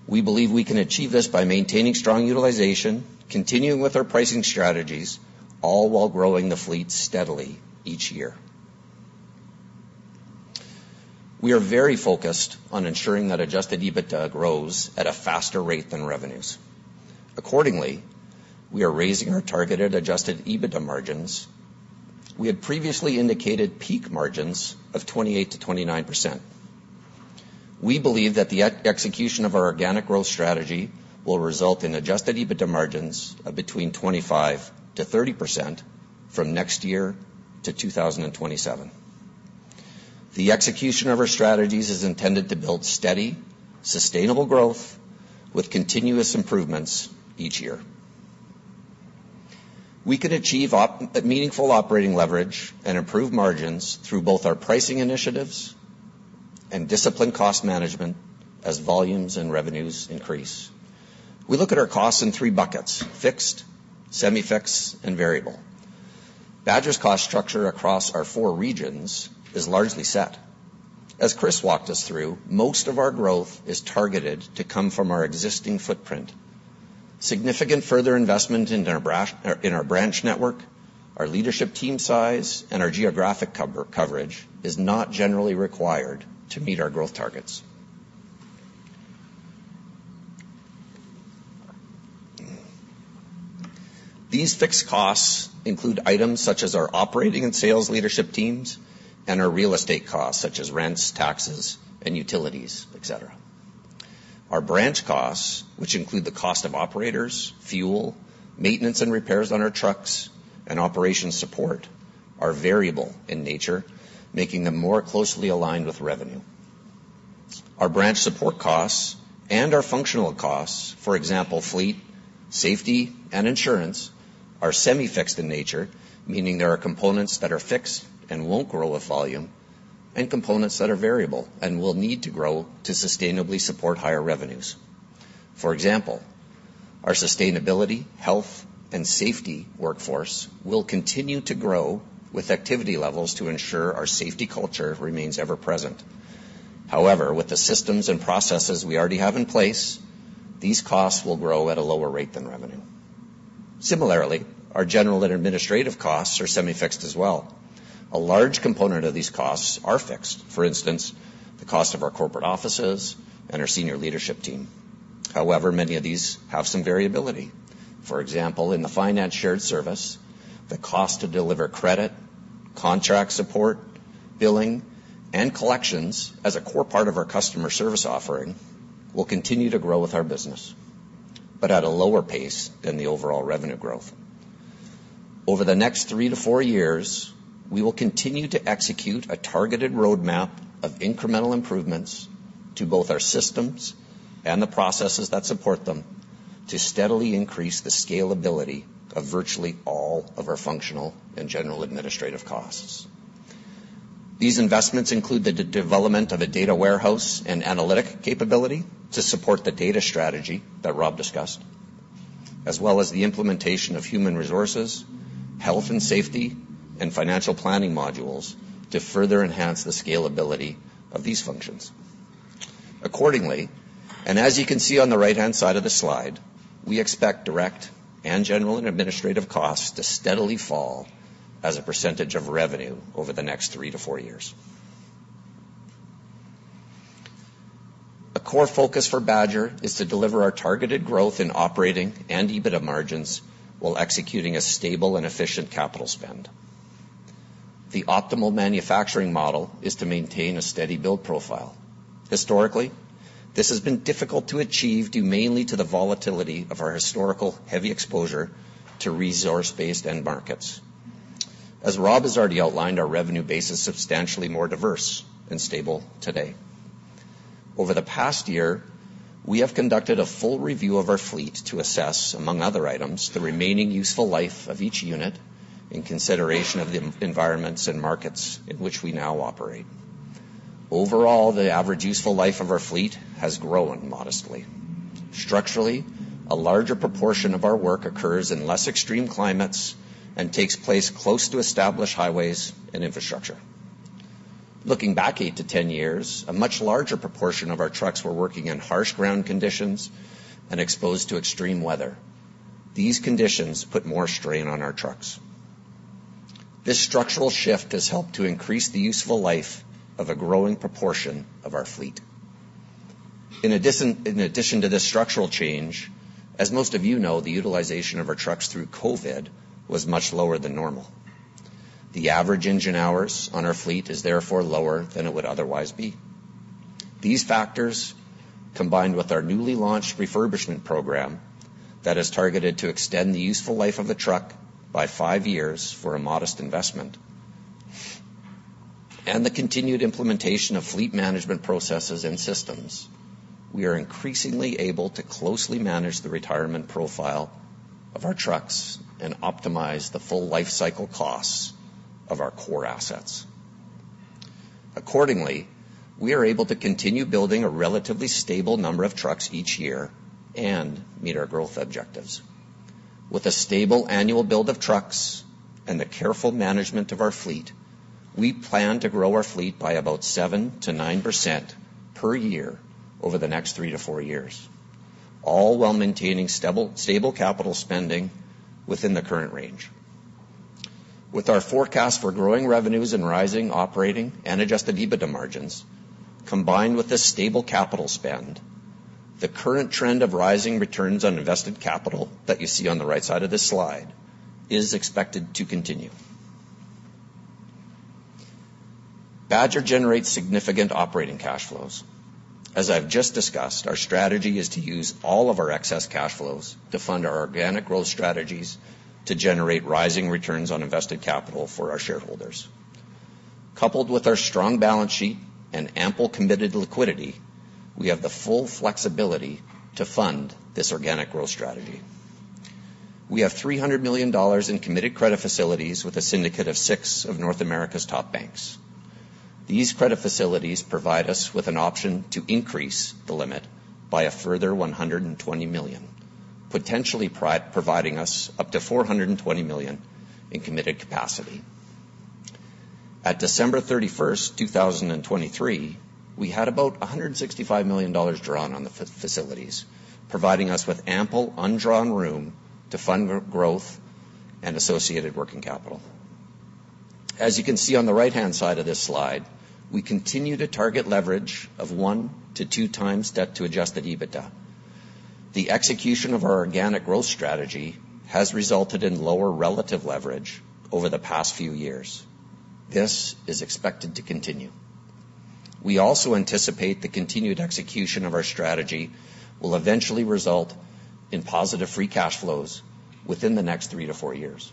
We believe we can achieve this by maintaining strong utilization, continuing with our pricing strategies, all while growing the fleet steadily each year. We are very focused on ensuring that adjusted EBITDA grows at a faster rate than revenues. Accordingly, we are raising our targeted adjusted EBITDA margins. We had previously indicated peak margins of 28%-29%. We believe that the execution of our organic growth strategy will result in adjusted EBITDA margins of between 25%-30% from next year to 2027. The execution of our strategies is intended to build steady, sustainable growth with continuous improvements each year. We can achieve meaningful operating leverage and improve margins through both our pricing initiatives and disciplined cost management as volumes and revenues increase. We look at our costs in three buckets: fixed, semi-fixed, and variable. Badger's cost structure across our four regions is largely set. As Chris walked us through, most of our growth is targeted to come from our existing footprint. Significant further investment in our branch network, our leadership team size, and our geographic coverage is not generally required to meet our growth targets. These fixed costs include items such as our operating and sales leadership teams and our real estate costs such as rents, taxes, and utilities, etc. Our branch costs, which include the cost of operators, fuel, maintenance and repairs on our trucks, and operation support, are variable in nature, making them more closely aligned with revenue. Our branch support costs and our functional costs, for example, fleet, safety, and insurance, are semi-fixed in nature, meaning there are components that are fixed and won't grow with volume and components that are variable and will need to grow to sustainably support higher revenues. For example, our sustainability, health, and safety workforce will continue to grow with activity levels to ensure our safety culture remains ever-present. However, with the systems and processes we already have in place, these costs will grow at a lower rate than revenue. Similarly, our general and administrative costs are semi-fixed as well. A large component of these costs are fixed. For instance, the cost of our corporate offices and our senior leadership team. However, many of these have some variability. For example, in the finance shared service, the cost to deliver credit, contract support, billing, and collections as a core part of our customer service offering will continue to grow with our business but at a lower pace than the overall revenue growth. Over the next 3-4 years, we will continue to execute a targeted roadmap of incremental improvements to both our systems and the processes that support them to steadily increase the scalability of virtually all of our functional and general administrative costs. These investments include the development of a data warehouse and analytic capability to support the data strategy that Rob discussed, as well as the implementation of human resources, health and safety, and financial planning modules to further enhance the scalability of these functions. Accordingly, and as you can see on the right-hand side of the slide, we expect direct and general and administrative costs to steadily fall as a percentage of revenue over the next 3-4 years. A core focus for Badger is to deliver our targeted growth in operating and EBITDA margins while executing a stable and efficient capital spend. The optimal manufacturing model is to maintain a steady build profile. Historically, this has been difficult to achieve due mainly to the volatility of our historical heavy exposure to resource-based end markets. As Rob has already outlined, our revenue base is substantially more diverse and stable today. Over the past year, we have conducted a full review of our fleet to assess, among other items, the remaining useful life of each unit in consideration of the environments and markets in which we now operate. Overall, the average useful life of our fleet has grown modestly. Structurally, a larger proportion of our work occurs in less extreme climates and takes place close to established highways and infrastructure. Looking back 8-10 years, a much larger proportion of our trucks were working in harsh ground conditions and exposed to extreme weather. These conditions put more strain on our trucks. This structural shift has helped to increase the useful life of a growing proportion of our fleet. In addition to this structural change, as most of you know, the utilization of our trucks through COVID was much lower than normal. The average engine hours on our fleet is therefore lower than it would otherwise be. These factors, combined with our newly launched refurbishment program that is targeted to extend the useful life of the truck by five years for a modest investment, and the continued implementation of fleet management processes and systems, we are increasingly able to closely manage the retirement profile of our trucks and optimize the full lifecycle costs of our core assets. Accordingly, we are able to continue building a relatively stable number of trucks each year and meet our growth objectives. With a stable annual build of trucks and the careful management of our fleet, we plan to grow our fleet by about 7%-9% per year over the next three to four years, all while maintaining stable capital spending within the current range. With our forecast for growing revenues and rising operating and adjusted EBITDA margins combined with a stable capital spend, the current trend of rising returns on invested capital that you see on the right side of this slide is expected to continue. Badger generates significant operating cash flows. As I've just discussed, our strategy is to use all of our excess cash flows to fund our organic growth strategies to generate rising returns on invested capital for our shareholders. Coupled with our strong balance sheet and ample committed liquidity, we have the full flexibility to fund this organic growth strategy. We have $300 million in committed credit facilities with a syndicate of six of North America's top banks. These credit facilities provide us with an option to increase the limit by a further $120 million, potentially providing us up to $420 million in committed capacity. At December 31st, 2023, we had about $165 million drawn on the facilities, providing us with ample undrawn room to fund growth and associated working capital. As you can see on the right-hand side of this slide, we continue to target leverage of 1-2 times debt to Adjusted EBITDA. The execution of our organic growth strategy has resulted in lower relative leverage over the past few years. This is expected to continue. We also anticipate the continued execution of our strategy will eventually result in positive free cash flows within the next 3-4 years.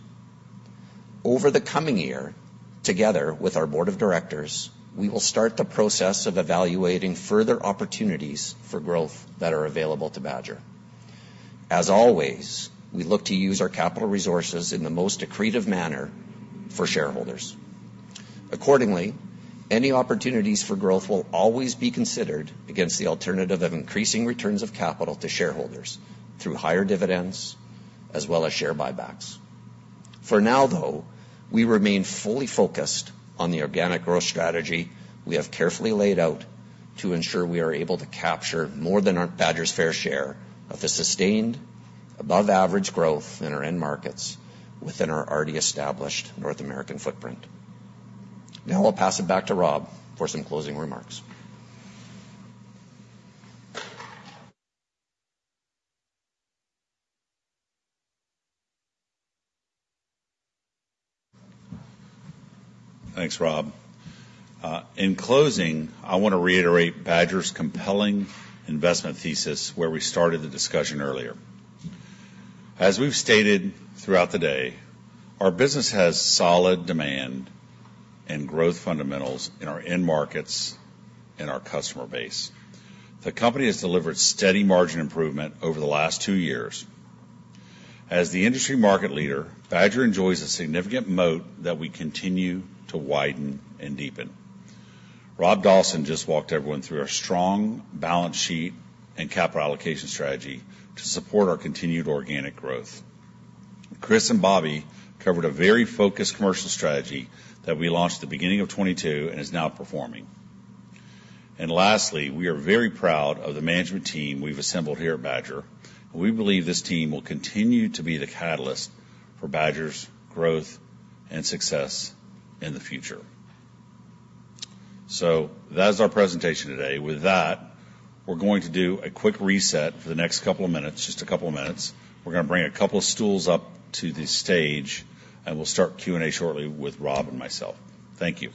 Over the coming year, together with our board of directors, we will start the process of evaluating further opportunities for growth that are available to Badger. As always, we look to use our capital resources in the most accretive manner for shareholders. Accordingly, any opportunities for growth will always be considered against the alternative of increasing returns of capital to shareholders through higher dividends as well as share buybacks. For now, though, we remain fully focused on the organic growth strategy we have carefully laid out to ensure we are able to capture more than Badger's fair share of the sustained, above-average growth in our end markets within our already established North American footprint. Now I'll pass it back to Rob for some closing remarks. Thanks, Rob. In closing, I want to reiterate Badger's compelling investment thesis where we started the discussion earlier. As we've stated throughout the day, our business has solid demand and growth fundamentals in our end markets and our customer base. The company has delivered steady margin improvement over the last two years. As the industry market leader, Badger enjoys a significant moat that we continue to widen and deepen. Rob Dawson just walked everyone through our strong balance sheet and capital allocation strategy to support our continued organic growth. Chris and Bobby covered a very focused commercial strategy that we launched at the beginning of 2022 and is now performing. And lastly, we are very proud of the management team we've assembled here at Badger, and we believe this team will continue to be the catalyst for Badger's growth and success in the future. So that is our presentation today. With that, we're going to do a quick reset for the next couple of minutes, just a couple of minutes. We're going to bring a couple of stools up to the stage, and we'll start Q&A shortly with Rob and myself. Thank you.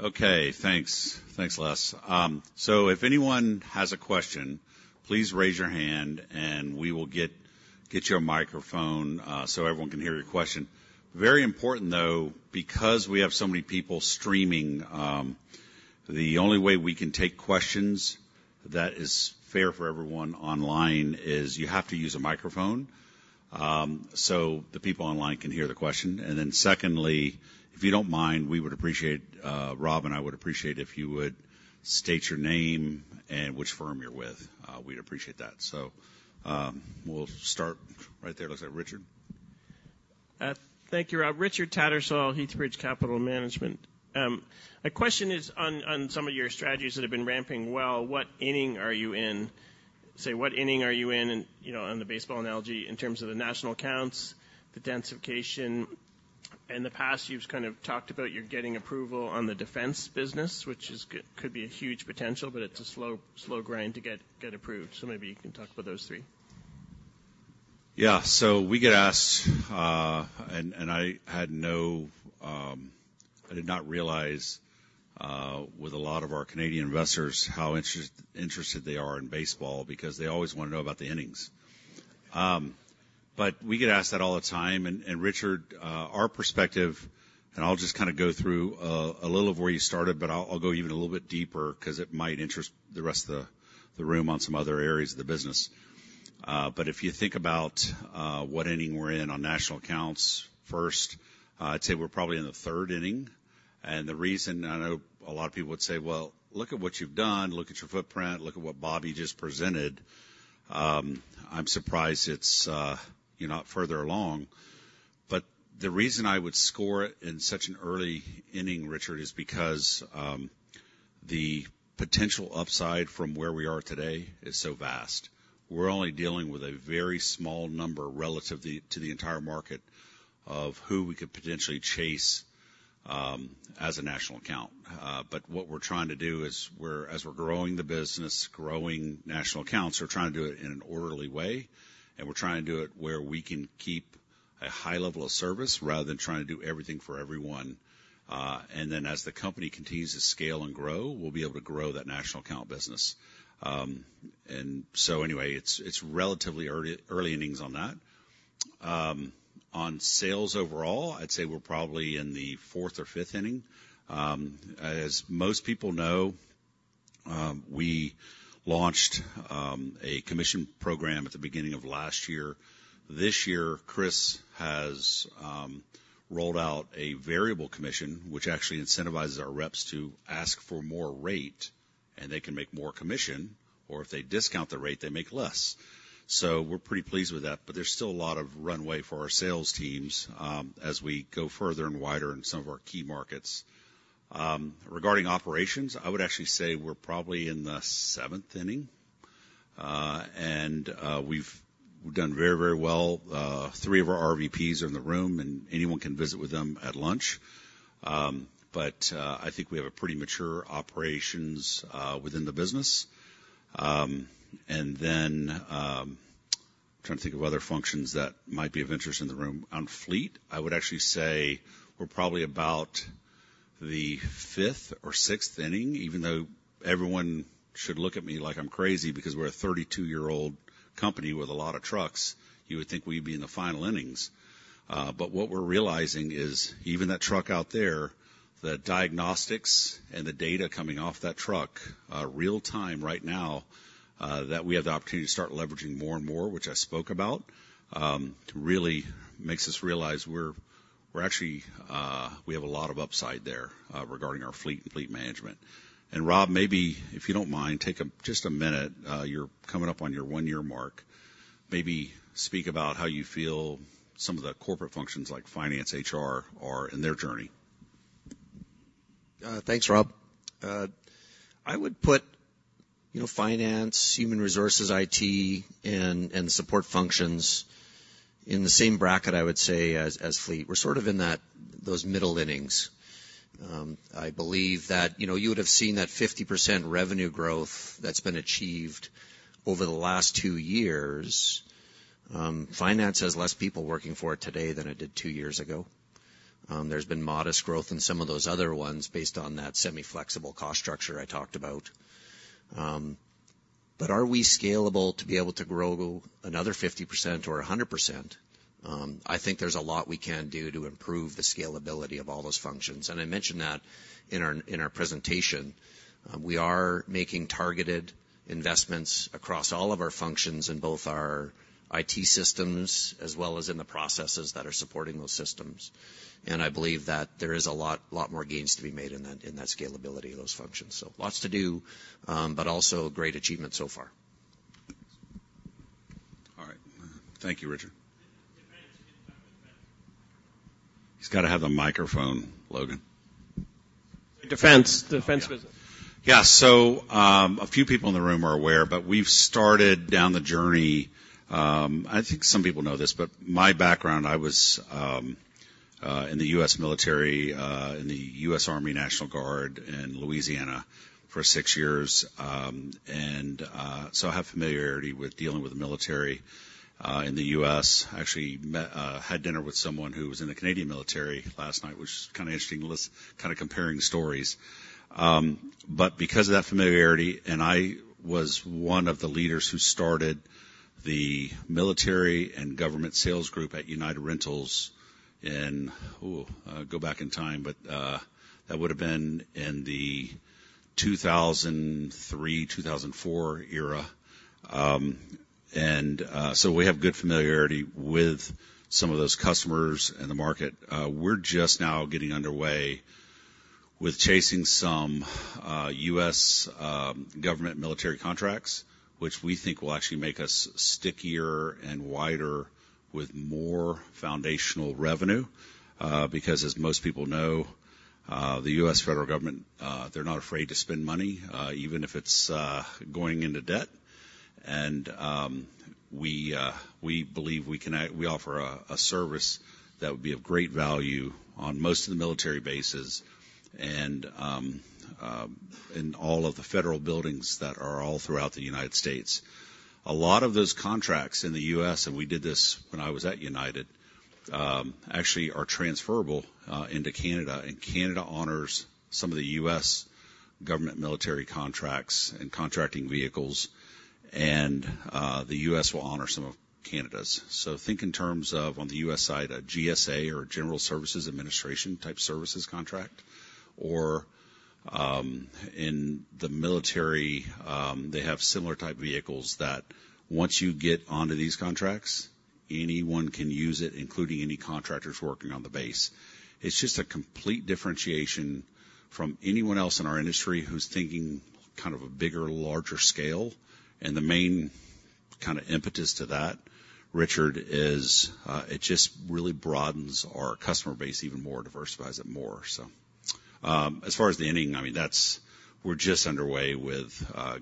Okay. Thanks. Thanks, Les. So if anyone has a question, please raise your hand, and we will get your microphone so everyone can hear your question. Very important, though, because we have so many people streaming, the only way we can take questions that is fair for everyone online is you have to use a microphone so the people online can hear the question. And then secondly, if you don't mind, we would appreciate Rob, and I would appreciate if you would state your name and which firm you're with. We'd appreciate that. So we'll start right there. Looks like Richard. Thank you, Rob. Richard Tattersall, Heathbridge Capital Management. A question is on some of your strategies that have been ramping well. What inning are you in? Say, what inning are you in on the baseball analogy in terms of the national accounts, the densification? In the past, you've kind of talked about you're getting approval on the densification business, which could be a huge potential, but it's a slow grind to get approved. So maybe you can talk about those three. Yeah. So we get asked, and I did not realize with a lot of our Canadian investors how interested they are in baseball because they always want to know about the innings. But we get asked that all the time. Richard, from our perspective, I'll just kind of go through a little of where you started, but I'll go even a little bit deeper because it might interest the rest of the room on some other areas of the business. But if you think about what inning we're in on national accounts first, I'd say we're probably in the third inning. And the reason I know a lot of people would say, "Well, look at what you've done. Look at your footprint. Look at what Bobby just presented." I'm surprised it's not further along. But the reason I would score it in such an early inning, Richard, is because the potential upside from where we are today is so vast. We're only dealing with a very small number relative to the entire market of who we could potentially chase as a national account. But what we're trying to do is as we're growing the business, growing national accounts, we're trying to do it in an orderly way, and we're trying to do it where we can keep a high level of service rather than trying to do everything for everyone. And then as the company continues to scale and grow, we'll be able to grow that national account business. And so anyway, it's relatively early innings on that. On sales overall, I'd say we're probably in the fourth or fifth inning. As most people know, we launched a commission program at the beginning of last year. This year, Chris has rolled out a variable commission, which actually incentivizes our reps to ask for more rate, and they can make more commission, or if they discount the rate, they make less. We're pretty pleased with that. But there's still a lot of runway for our sales teams as we go further and wider in some of our key markets. Regarding operations, I would actually say we're probably in the seventh inning. We've done very, very well. Three of our RVPs are in the room, and anyone can visit with them at lunch. But I think we have a pretty mature operations within the business. Then I'm trying to think of other functions that might be of interest in the room. On fleet, I would actually say we're probably about the fifth or sixth inning. Even though everyone should look at me like I'm crazy because we're a 32-year-old company with a lot of trucks, you would think we'd be in the final innings. But what we're realizing is even that truck out there, the diagnostics and the data coming off that truck real-time right now, that we have the opportunity to start leveraging more and more, which I spoke about, really makes us realize we have a lot of upside there regarding our fleet and fleet management. And Rob, maybe if you don't mind, take just a minute. You're coming up on your one-year mark. Maybe speak about how you feel some of the corporate functions like finance, HR, are in their journey. Thanks, Rob. I would put finance, human resources, IT, and support functions in the same bracket, I would say, as fleet. We're sort of in those middle innings. I believe that you would have seen that 50% revenue growth that's been achieved over the last 2 years. Finance has less people working for it today than it did 2 years ago. There's been modest growth in some of those other ones based on that semi-flexible cost structure I talked about. But are we scalable to be able to grow another 50% or 100%? I think there's a lot we can do to improve the scalability of all those functions. And I mentioned that in our presentation. We are making targeted investments across all of our functions in both our IT systems as well as in the processes that are supporting those systems. I believe that there is a lot more gains to be made in that scalability of those functions. Lots to do, but also great achievement so far. All right. Thank you, Richard. Defense. Get in touch with Defense. He's got to have the microphone, Logan. Defense. Defense business. Yeah. So a few people in the room are aware, but we've started down the journey. I think some people know this, but my background, I was in the U.S. military, in the U.S. Army National Guard in Louisiana for six years. And so I have familiarity with dealing with the military in the U.S. Actually, had dinner with someone who was in the Canadian military last night, which is kind of interesting, kind of comparing stories. But because of that familiarity, and I was one of the leaders who started the military and government sales group at United Rentals in ooh, go back in time. But that would have been in the 2003, 2004 era. And so we have good familiarity with some of those customers and the market. We're just now getting underway with chasing some U.S. government military contracts, which we think will actually make us stickier and wider with more foundational revenue. Because as most people know, the U.S. federal government, they're not afraid to spend money, even if it's going into debt. We believe we offer a service that would be of great value on most of the military bases and in all of the federal buildings that are all throughout the United States. A lot of those contracts in the U.S., and we did this when I was at United, actually are transferable into Canada. Canada honors some of the U.S. government military contracts and contracting vehicles, and the U.S. will honor some of Canada's. So think in terms of, on the US side, a GSA or General Services Administration type services contract, or in the military, they have similar type vehicles that once you get onto these contracts, anyone can use it, including any contractors working on the base. It's just a complete differentiation from anyone else in our industry who's thinking kind of a bigger, larger scale. And the main kind of impetus to that, Richard, is it just really broadens our customer base even more, diversifies it more. So as far as the timing, I mean, we're just underway with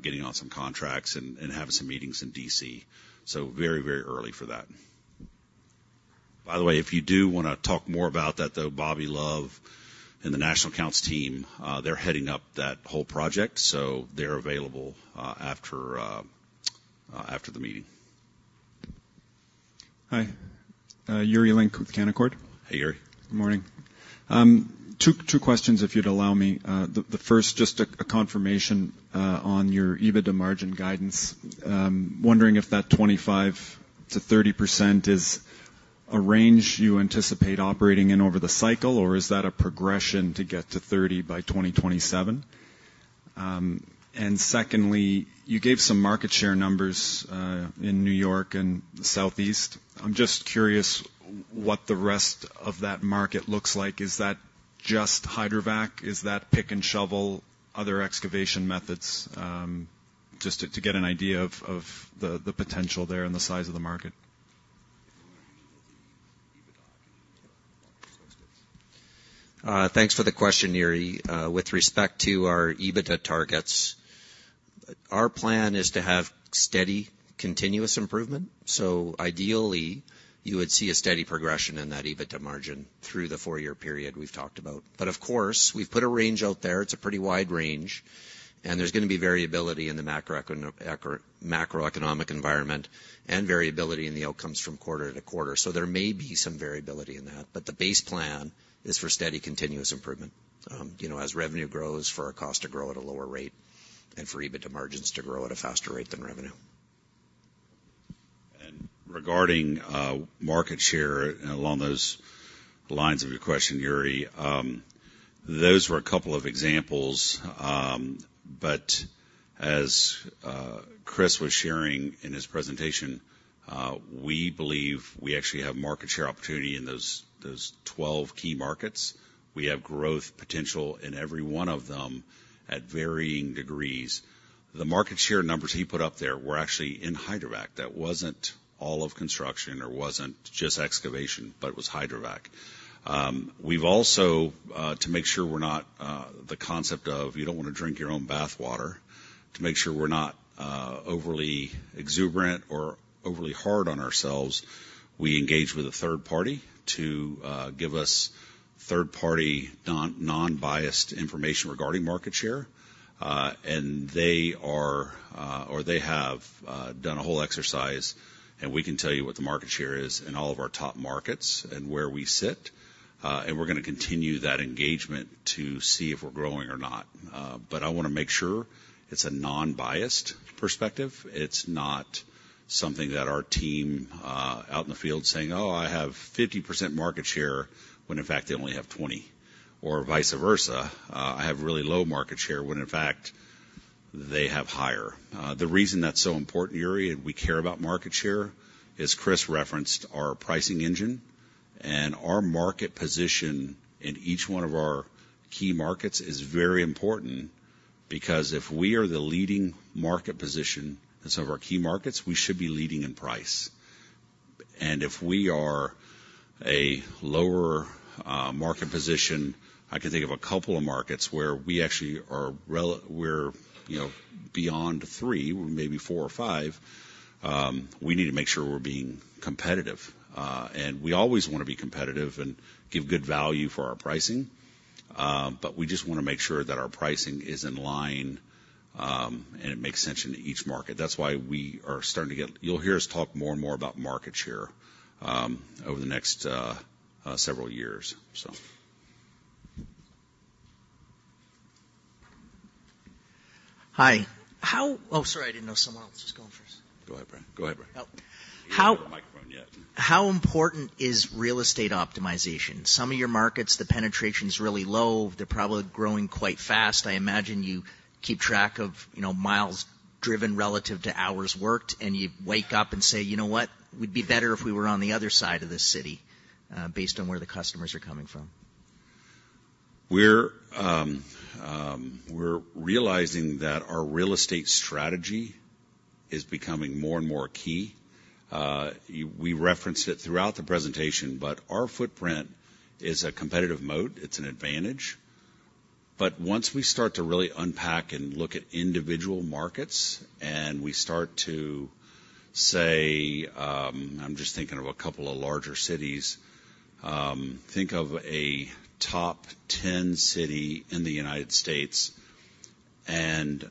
getting on some contracts and having some meetings in D.C. So very, very early for that. By the way, if you do want to talk more about that, though, Bobby Love and the national accounts team, they're heading up that whole project. So they're available after the meeting. Hi. Yuri Lynk with Canaccord. Hey, Yuri. Good morning. Two questions, if you'd allow me. The first, just a confirmation on your EBITDA margin guidance. Wondering if that 25%-30% is a range you anticipate operating in over the cycle, or is that a progression to get to 30% by 2027? And secondly, you gave some market share numbers in New York and Southeast. I'm just curious what the rest of that market looks like. Is that just Hydrovac? Is that pick and shovel, other excavation methods? Just to get an idea of the potential there and the size of the market. Thanks for the question, Yuri. With respect to our EBITDA targets, our plan is to have steady, continuous improvement. So ideally, you would see a steady progression in that EBITDA margin through the four-year period we've talked about. But of course, we've put a range out there. It's a pretty wide range. There's going to be variability in the macroeconomic environment and variability in the outcomes from quarter to quarter. So there may be some variability in that. But the base plan is for steady, continuous improvement as revenue grows, for our cost to grow at a lower rate, and for EBITDA margins to grow at a faster rate than revenue. Regarding market share along those lines of your question, Yuri, those were a couple of examples. But as Chris was sharing in his presentation, we believe we actually have market share opportunity in those 12 key markets. We have growth potential in every one of them at varying degrees. The market share numbers he put up there were actually in Hydrovac. That wasn't all of construction or wasn't just excavation, but it was Hydrovac. We've also, to make sure we're not the concept of you don't want to drink your own bathwater, to make sure we're not overly exuberant or overly hard on ourselves, we engage with a third party to give us third-party non-biased information regarding market share. And they have done a whole exercise, and we can tell you what the market share is in all of our top markets and where we sit. We're going to continue that engagement to see if we're growing or not. But I want to make sure it's a non-biased perspective. It's not something that our team out in the field saying, "Oh, I have 50% market share," when in fact, they only have 20, or vice versa. "I have really low market share," when in fact, they have higher. The reason that's so important, Yuri, and we care about market share is Chris referenced our pricing engine. Our market position in each one of our key markets is very important because if we are the leading market position in some of our key markets, we should be leading in price. And if we are a lower market position, I can think of a couple of markets where we actually we're beyond three, maybe four or five. We need to make sure we're being competitive. We always want to be competitive and give good value for our pricing. But we just want to make sure that our pricing is in line and it makes sense in each market. That's why we are starting to get you'll hear us talk more and more about market share over the next several years, so. Hi. Oh, sorry. I didn't know someone else was going first. Go ahead, Brad. Go ahead, Brad. Nope. You didn't get on the microphone yet. How important is real estate optimization? Some of your markets, the penetration's really low. They're probably growing quite fast. I imagine you keep track of miles driven relative to hours worked, and you wake up and say, "You know what? We'd be better if we were on the other side of this city," based on where the customers are coming from. We're realizing that our real estate strategy is becoming more and more key. We referenced it throughout the presentation, but our footprint is a competitive moat. It's an advantage. But once we start to really unpack and look at individual markets and we start to say, I'm just thinking of a couple of larger cities. Think of a top 10 city in the United States, and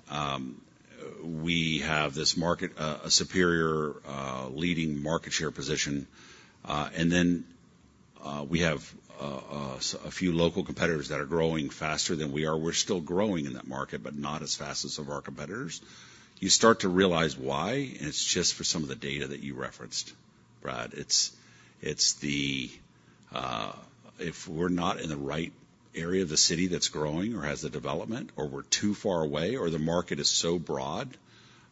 we have this market, a superior leading market share position. And then we have a few local competitors that are growing faster than we are. We're still growing in that market, but not as fast as some of our competitors. You start to realize why, and it's just for some of the data that you referenced, Brad. It's the if we're not in the right area of the city that's growing or has the development, or we're too far away, or the market is so broad.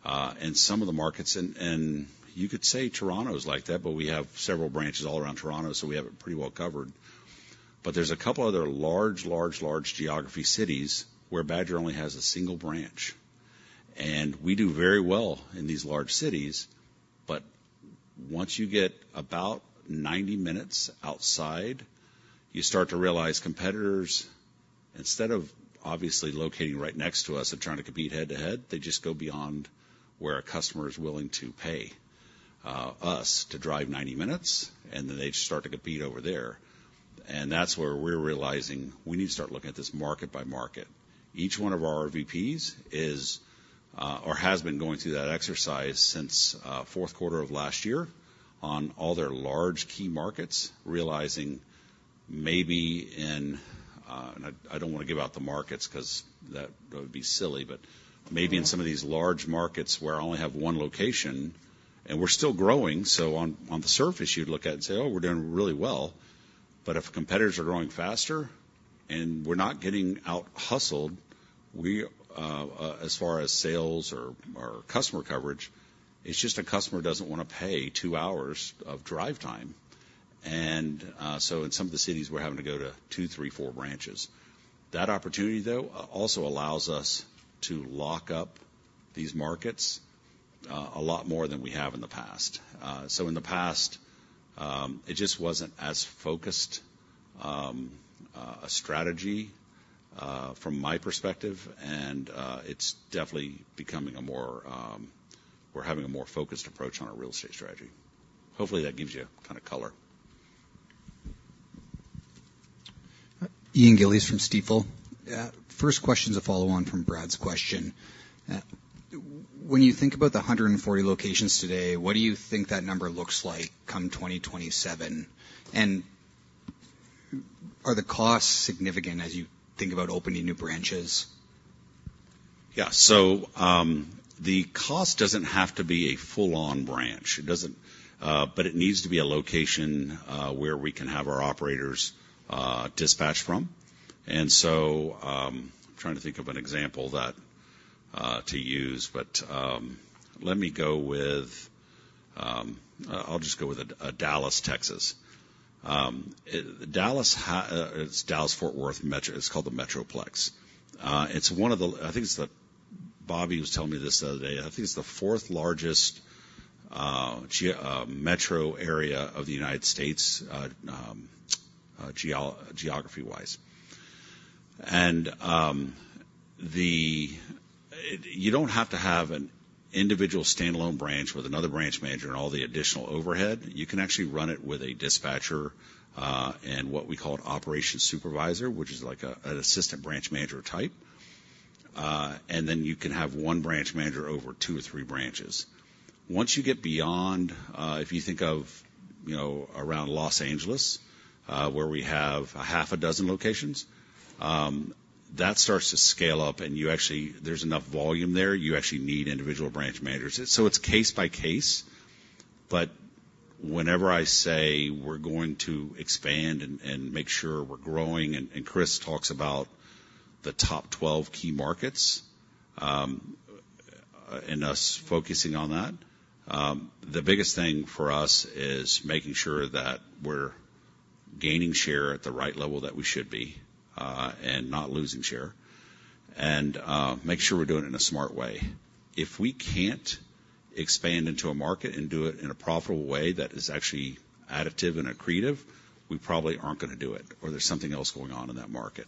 And some of the markets and you could say Toronto is like that, but we have several branches all around Toronto, so we have it pretty well covered. But there's a couple other large, large, large geography cities where Badger only has a single branch. And we do very well in these large cities, but once you get about 90 minutes outside, you start to realize competitors, instead of obviously locating right next to us and trying to compete head-to-head, they just go beyond where a customer is willing to pay us to drive 90 minutes, and then they just start to compete over there. And that's where we're realizing we need to start looking at this market by market. Each one of our RVPs is or has been going through that exercise since fourth quarter of last year on all their large key markets, realizing maybe in and I don't want to give out the markets because that would be silly, but maybe in some of these large markets where I only have 1 location, and we're still growing. So on the surface, you'd look at it and say, "Oh, we're doing really well." But if competitors are growing faster and we're not getting out hustled, as far as sales or customer coverage, it's just a customer doesn't want to pay 2 hours of drive time. And so in some of the cities, we're having to go to 2, 3, 4 branches. That opportunity, though, also allows us to lock up these markets a lot more than we have in the past. In the past, it just wasn't as focused a strategy from my perspective, and it's definitely becoming a more focused approach on our real estate strategy. Hopefully, that gives you a kind of color. Ian Gillis from Stifel. First question is a follow-on from Brad's question. When you think about the 140 locations today, what do you think that number looks like come 2027? And are the costs significant as you think about opening new branches? Yeah. So the cost doesn't have to be a full-on branch. But it needs to be a location where we can have our operators dispatch from. And so I'm trying to think of an example to use, but let me go with I'll just go with Dallas, Texas. Dallas Fort Worth, it's called the Metroplex. It's one of the I think it's the fourth largest metro area of the United States geography-wise. And you don't have to have an individual standalone branch with another branch manager and all the additional overhead. You can actually run it with a dispatcher and what we call an operation supervisor, which is like an assistant branch manager type. And then you can have one branch manager over two or three branches. Once you get beyond if you think of around Los Angeles, where we have a half a dozen locations, that starts to scale up, and there's enough volume there. You actually need individual branch managers. So it's case by case. But whenever I say we're going to expand and make sure we're growing, and Chris talks about the top 12 key markets and us focusing on that, the biggest thing for us is making sure that we're gaining share at the right level that we should be and not losing share and make sure we're doing it in a smart way. If we can't expand into a market and do it in a profitable way that is actually additive and accretive, we probably aren't going to do it, or there's something else going on in that market.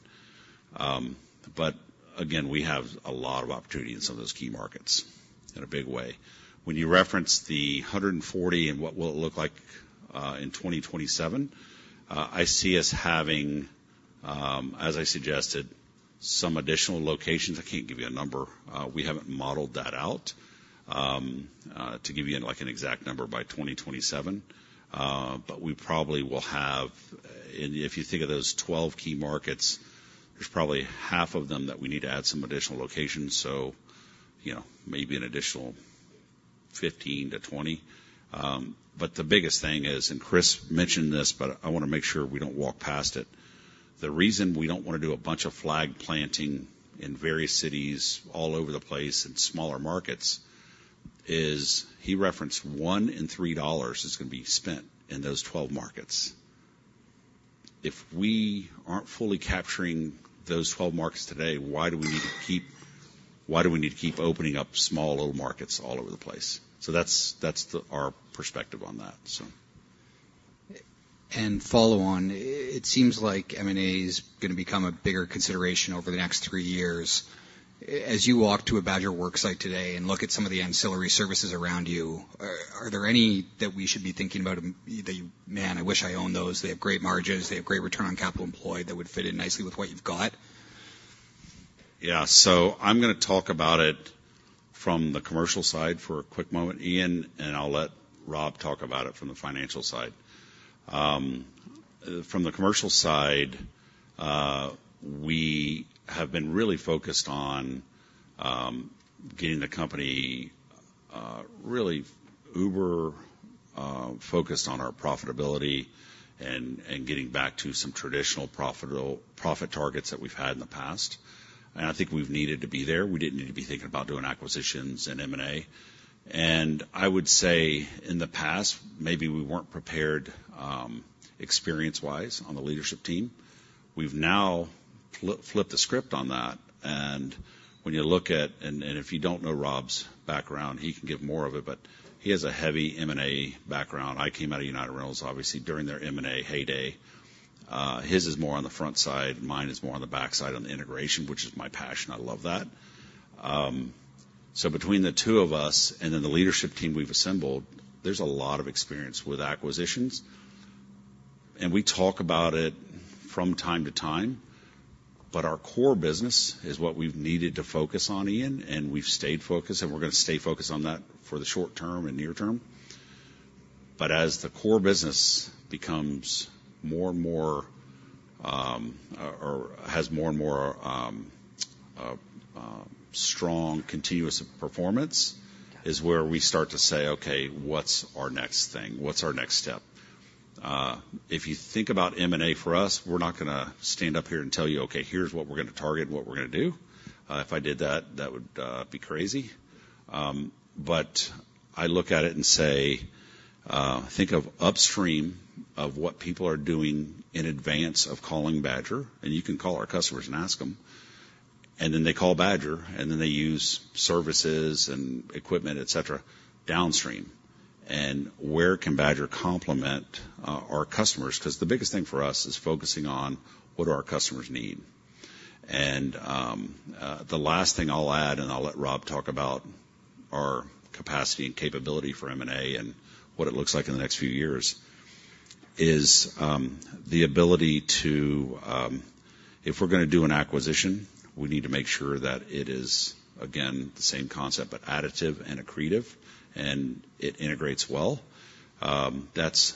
But again, we have a lot of opportunity in some of those key markets in a big way. When you reference the 140 and what will it look like in 2027, I see us having, as I suggested, some additional locations. I can't give you a number. We haven't modeled that out to give you an exact number by 2027. But we probably will have and if you think of those 12 key markets, there's probably half of them that we need to add some additional locations, so maybe an additional 15-20. But the biggest thing is and Chris mentioned this, but I want to make sure we don't walk past it. The reason we don't want to do a bunch of flag planting in various cities all over the place in smaller markets is he referenced 1 in 3 dollars is going to be spent in those 12 markets. If we aren't fully capturing those 12 markets today, why do we need to keep opening up small little markets all over the place? So that's our perspective on that, so. Follow on, it seems like M&A is going to become a bigger consideration over the next three years. As you walk to a Badger worksite today and look at some of the ancillary services around you, are there any that we should be thinking about that you, "Man, I wish I owned those. They have great margins. They have great return on capital employed that would fit in nicely with what you've got"? Yeah. So I'm going to talk about it from the commercial side for a quick moment, Ian, and I'll let Rob talk about it from the financial side. From the commercial side, we have been really focused on getting the company really uber-focused on our profitability and getting back to some traditional profit targets that we've had in the past. And I think we've needed to be there. We didn't need to be thinking about doing acquisitions and M&A. And I would say in the past, maybe we weren't prepared experience-wise on the leadership team. We've now flipped the script on that. And when you look at and if you don't know Rob's background, he can give more of it, but he has a heavy M&A background. I came out of United Rentals, obviously, during their M&A heyday. His is more on the front side. Mine is more on the backside on the integration, which is my passion. I love that. So between the two of us and then the leadership team we've assembled, there's a lot of experience with acquisitions. And we talk about it from time to time, but our core business is what we've needed to focus on, Ian, and we've stayed focused, and we're going to stay focused on that for the short term and near term. But as the core business becomes more and more or has more and more strong continuous performance is where we start to say, "Okay, what's our next thing? What's our next step?" If you think about M&A for us, we're not going to stand up here and tell you, "Okay, here's what we're going to target and what we're going to do." If I did that, that would be crazy. But I look at it and say, think of upstream of what people are doing in advance of calling Badger, and you can call our customers and ask them. And then they call Badger, and then they use services and equipment, etc., downstream. And where can Badger complement our customers? Because the biggest thing for us is focusing on what do our customers need? The last thing I'll add, and I'll let Rob talk about our capacity and capability for M&A and what it looks like in the next few years, is the ability to, if we're going to do an acquisition, we need to make sure that it is, again, the same concept, but additive and accretive, and it integrates well. That's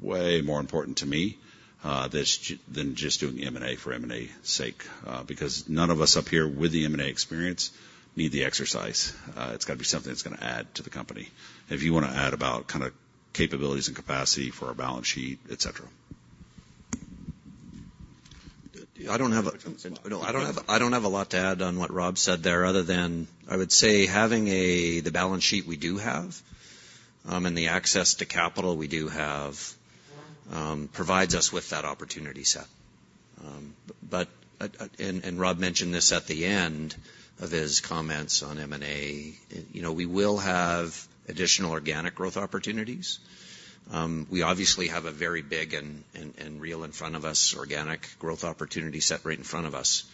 way more important to me than just doing M&A for M&A's sake because none of us up here with the M&A experience need the exercise. It's got to be something that's going to add to the company. If you want to add about kind of capabilities and capacity for our balance sheet, etc. I don't have a lot to add on what Rob said there other than I would say having the balance sheet we do have and the access to capital we do have provides us with that opportunity set. Rob mentioned this at the end of his comments on M&A. We will have additional organic growth opportunities. We obviously have a very big and real in front of us organic growth opportunity set right in front of us.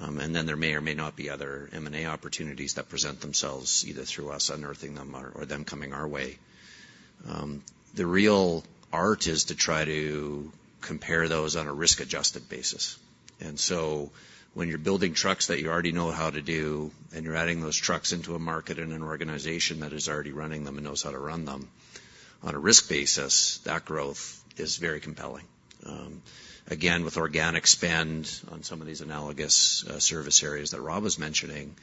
Then there may or may not be other M&A opportunities that present themselves either through us unearthing them or them coming our way. The real art is to try to compare those on a risk-adjusted basis. So when you're building trucks that you already know how to do and you're adding those trucks into a market and an organization that is already running them and knows how to run them on a risk basis, that growth is very compelling. Again, with organic spend on some of these analogous service areas that Rob was mentioning,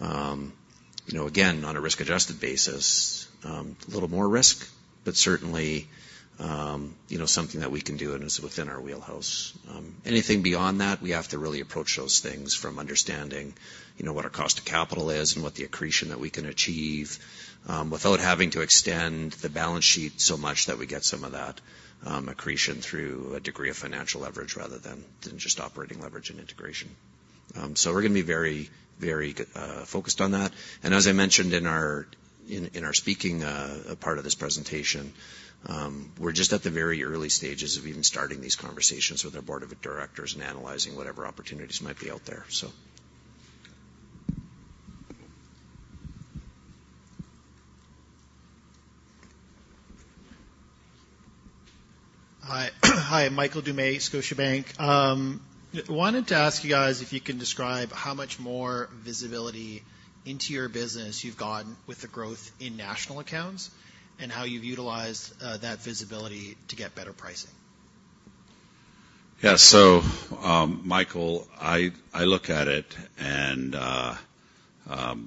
again, on a risk-adjusted basis, a little more risk, but certainly something that we can do and is within our wheelhouse. Anything beyond that, we have to really approach those things from understanding what our cost of capital is and what the accretion that we can achieve without having to extend the balance sheet so much that we get some of that accretion through a degree of financial leverage rather than just operating leverage and integration. So we're going to be very, very focused on that. As I mentioned in our speaking part of this presentation, we're just at the very early stages of even starting these conversations with our board of directors and analyzing whatever opportunities might be out there, so. Hi. Hi, Michael Dumais, Scotiabank. Wanted to ask you guys if you can describe how much more visibility into your business you've gotten with the growth in national accounts and how you've utilized that visibility to get better pricing? Yeah. So, Michael, I look at it, and the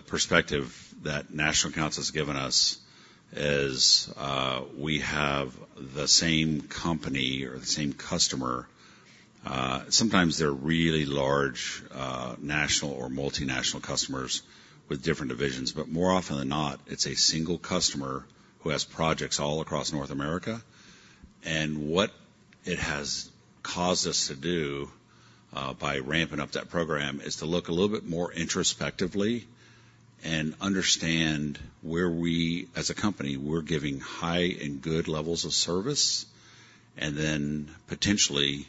perspective that national accounts has given us is we have the same company or the same customer. Sometimes they're really large national or multinational customers with different divisions. But more often than not, it's a single customer who has projects all across North America. What it has caused us to do by ramping up that program is to look a little bit more introspectively and understand where we as a company, we're giving high and good levels of service. And then potentially,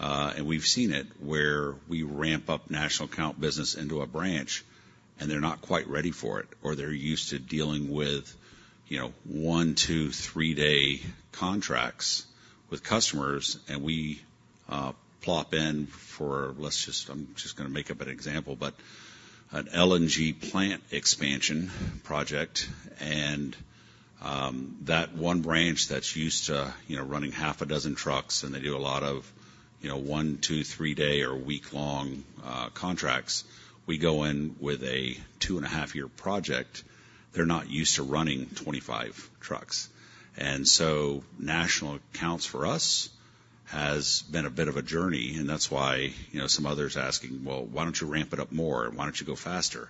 and we've seen it, where we ramp up national account business into a branch, and they're not quite ready for it, or they're used to dealing with 1, 2, 3-day contracts with customers, and we plop in for, let's just, I'm just going to make up an example, but an LNG plant expansion project. That one branch that's used to running 6 trucks, and they do a lot of 1-, 2-, 3-day or week-long contracts, we go in with a 2.5-year project. They're not used to running 25 trucks. So national accounts for us has been a bit of a journey. And that's why some others are asking, "Well, why don't you ramp it up more? And why don't you go faster?"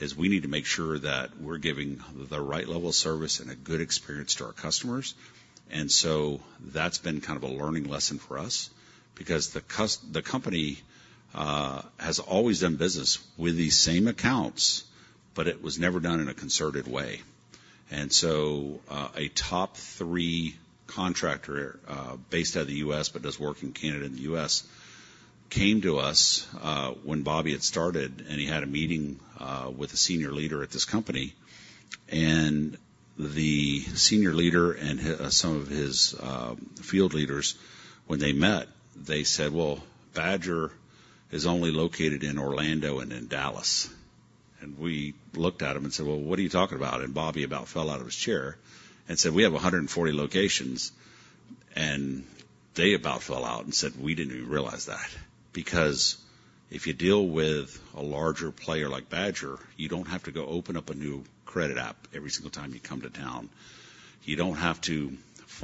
is we need to make sure that we're giving the right level of service and a good experience to our customers. So that's been kind of a learning lesson for us because the company has always done business with these same accounts, but it was never done in a concerted way. A top three contractor based out of the US but does work in Canada and the US came to us when Bobby had started, and he had a meeting with a senior leader at this company. The senior leader and some of his field leaders, when they met, they said, "Well, Badger is only located in Orlando and in Dallas." We looked at them and said, "Well, what are you talking about?" Bobby about fell out of his chair and said, "We have 140 locations." d They about fell out and said, "We didn't even realize that." Because if you deal with a larger player like Badger, you don't have to go open up a new credit app every single time you come to town. You don't have to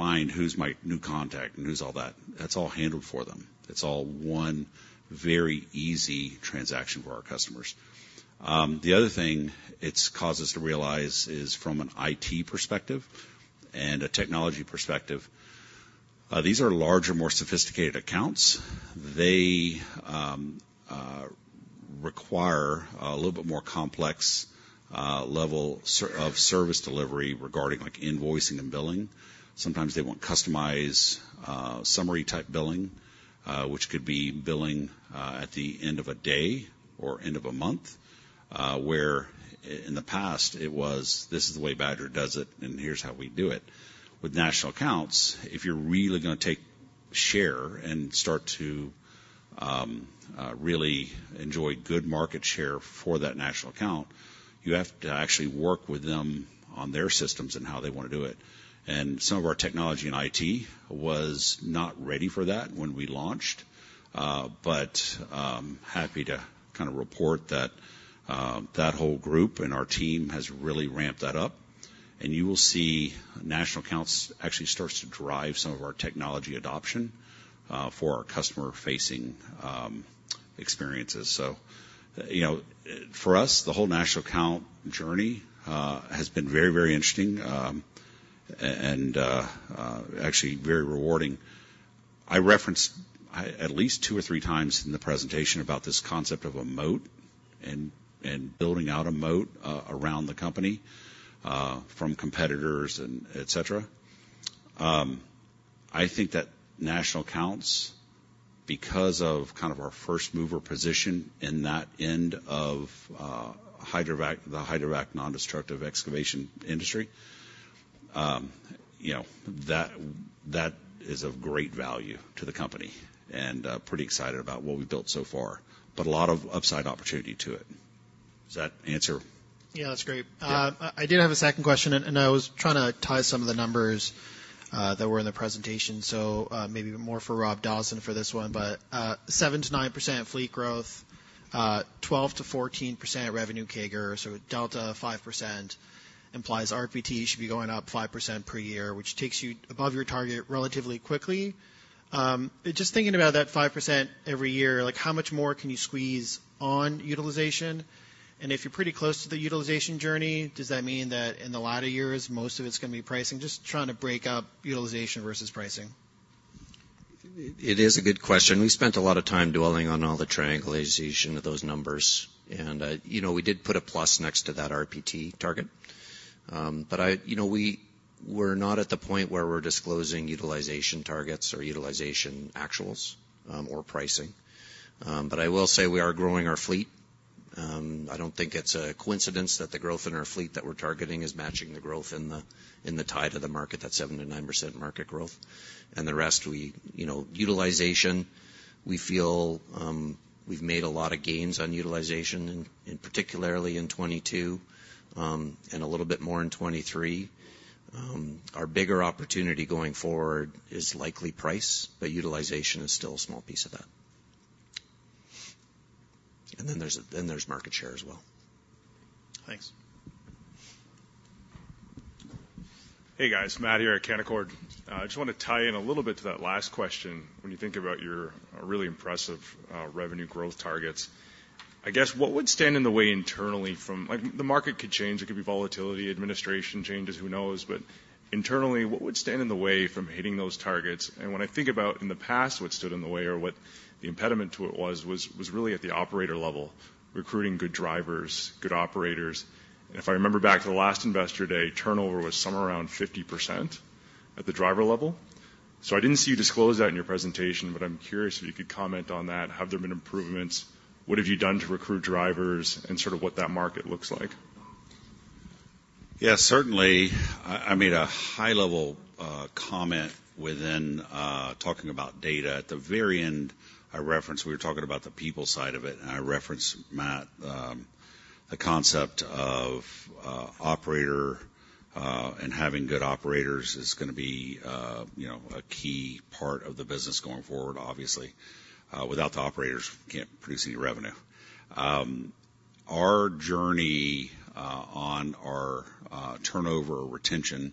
find who's my new contact and who's all that. That's all handled for them. It's all one very easy transaction for our customers. The other thing it's caused us to realize is from an IT perspective and a technology perspective, these are larger, more sophisticated accounts. They require a little bit more complex level of service delivery regarding invoicing and billing. Sometimes they want customized summary-type billing, which could be billing at the end of a day or end of a month, where in the past, it was, "This is the way Badger does it, and here's how we do it." With national accounts, if you're really going to take share and start to really enjoy good market share for that national account, you have to actually work with them on their systems and how they want to do it. Some of our technology and IT was not ready for that when we launched, but happy to kind of report that that whole group and our team has really ramped that up. And you will see national accounts actually starts to drive some of our technology adoption for our customer-facing experiences. So for us, the whole national account journey has been very, very interesting and actually very rewarding. I referenced at least two or three times in the presentation about this concept of a moat and building out a moat around the company from competitors, etc. I think that national accounts, because of kind of our first mover position in that end of the Hydrovac nondestructive excavation industry, that is of great value to the company and pretty excited about what we've built so far, but a lot of upside opportunity to it. Does that answer? Yeah, that's great. I did have a second question, and I was trying to tie some of the numbers that were in the presentation, so maybe more for Rob Dawson for this one. But 7%-9% fleet growth, 12%-14% revenue CAGR, so delta 5% implies RPT should be going up 5% per year, which takes you above your target relatively quickly. Just thinking about that 5% every year, how much more can you squeeze on utilization? And if you're pretty close to the utilization journey, does that mean that in the latter years, most of it's going to be pricing? Just trying to break up utilization versus pricing. It is a good question. We spent a lot of time dwelling on all the triangulation of those numbers, and we did put a plus next to that RPT target. But we were not at the point where we're disclosing utilization targets or utilization actuals or pricing. But I will say we are growing our fleet. I don't think it's a coincidence that the growth in our fleet that we're targeting is matching the growth in the tide of the market, that 7%-9% market growth. And the rest, utilization, we feel we've made a lot of gains on utilization, particularly in 2022 and a little bit more in 2023. Our bigger opportunity going forward is likely price, but utilization is still a small piece of that. And then there's market share as well. Thanks. Hey, guys. Matt here at Canaccord. I just want to tie in a little bit to that last question. When you think about your really impressive revenue growth targets, I guess what would stand in the way internally from the market could change. It could be volatility, administration changes, who knows? But internally, what would stand in the way from hitting those targets? And when I think about in the past what stood in the way or what the impediment to it was, was really at the operator level, recruiting good drivers, good operators. And if I remember back to the last investor day, turnover was somewhere around 50% at the driver level. So I didn't see you disclose that in your presentation, but I'm curious if you could comment on that. Have there been improvements? What have you done to recruit drivers and sort of what that market looks like? Yeah, certainly. I made a high-level comment within talking about data. At the very end, I referenced we were talking about the people side of it, and I referenced, Matt, the concept of operator and having good operators is going to be a key part of the business going forward, obviously. Without the operators, we can't produce any revenue. Our journey on our turnover or retention,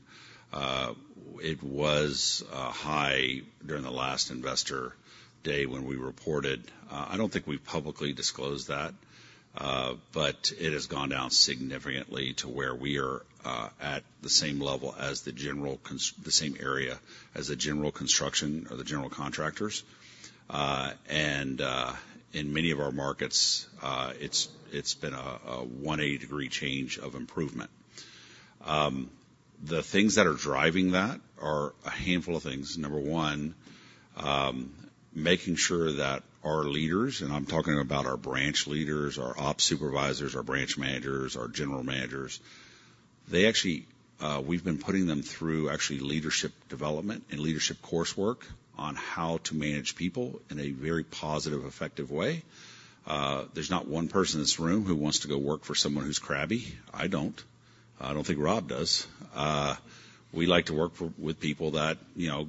it was high during the last investor day when we reported. I don't think we've publicly disclosed that, but it has gone down significantly to where we are at the same level as the general construction or the general contractors. And in many of our markets, it's been a 180-degree change of improvement. The things that are driving that are a handful of things. Number one, making sure that our leaders and I'm talking about our branch leaders, our ops supervisors, our branch managers, our general managers, we've been putting them through actually leadership development and leadership coursework on how to manage people in a very positive, effective way. There's not one person in this room who wants to go work for someone who's crabby. I don't. I don't think Rob does. We like to work with people that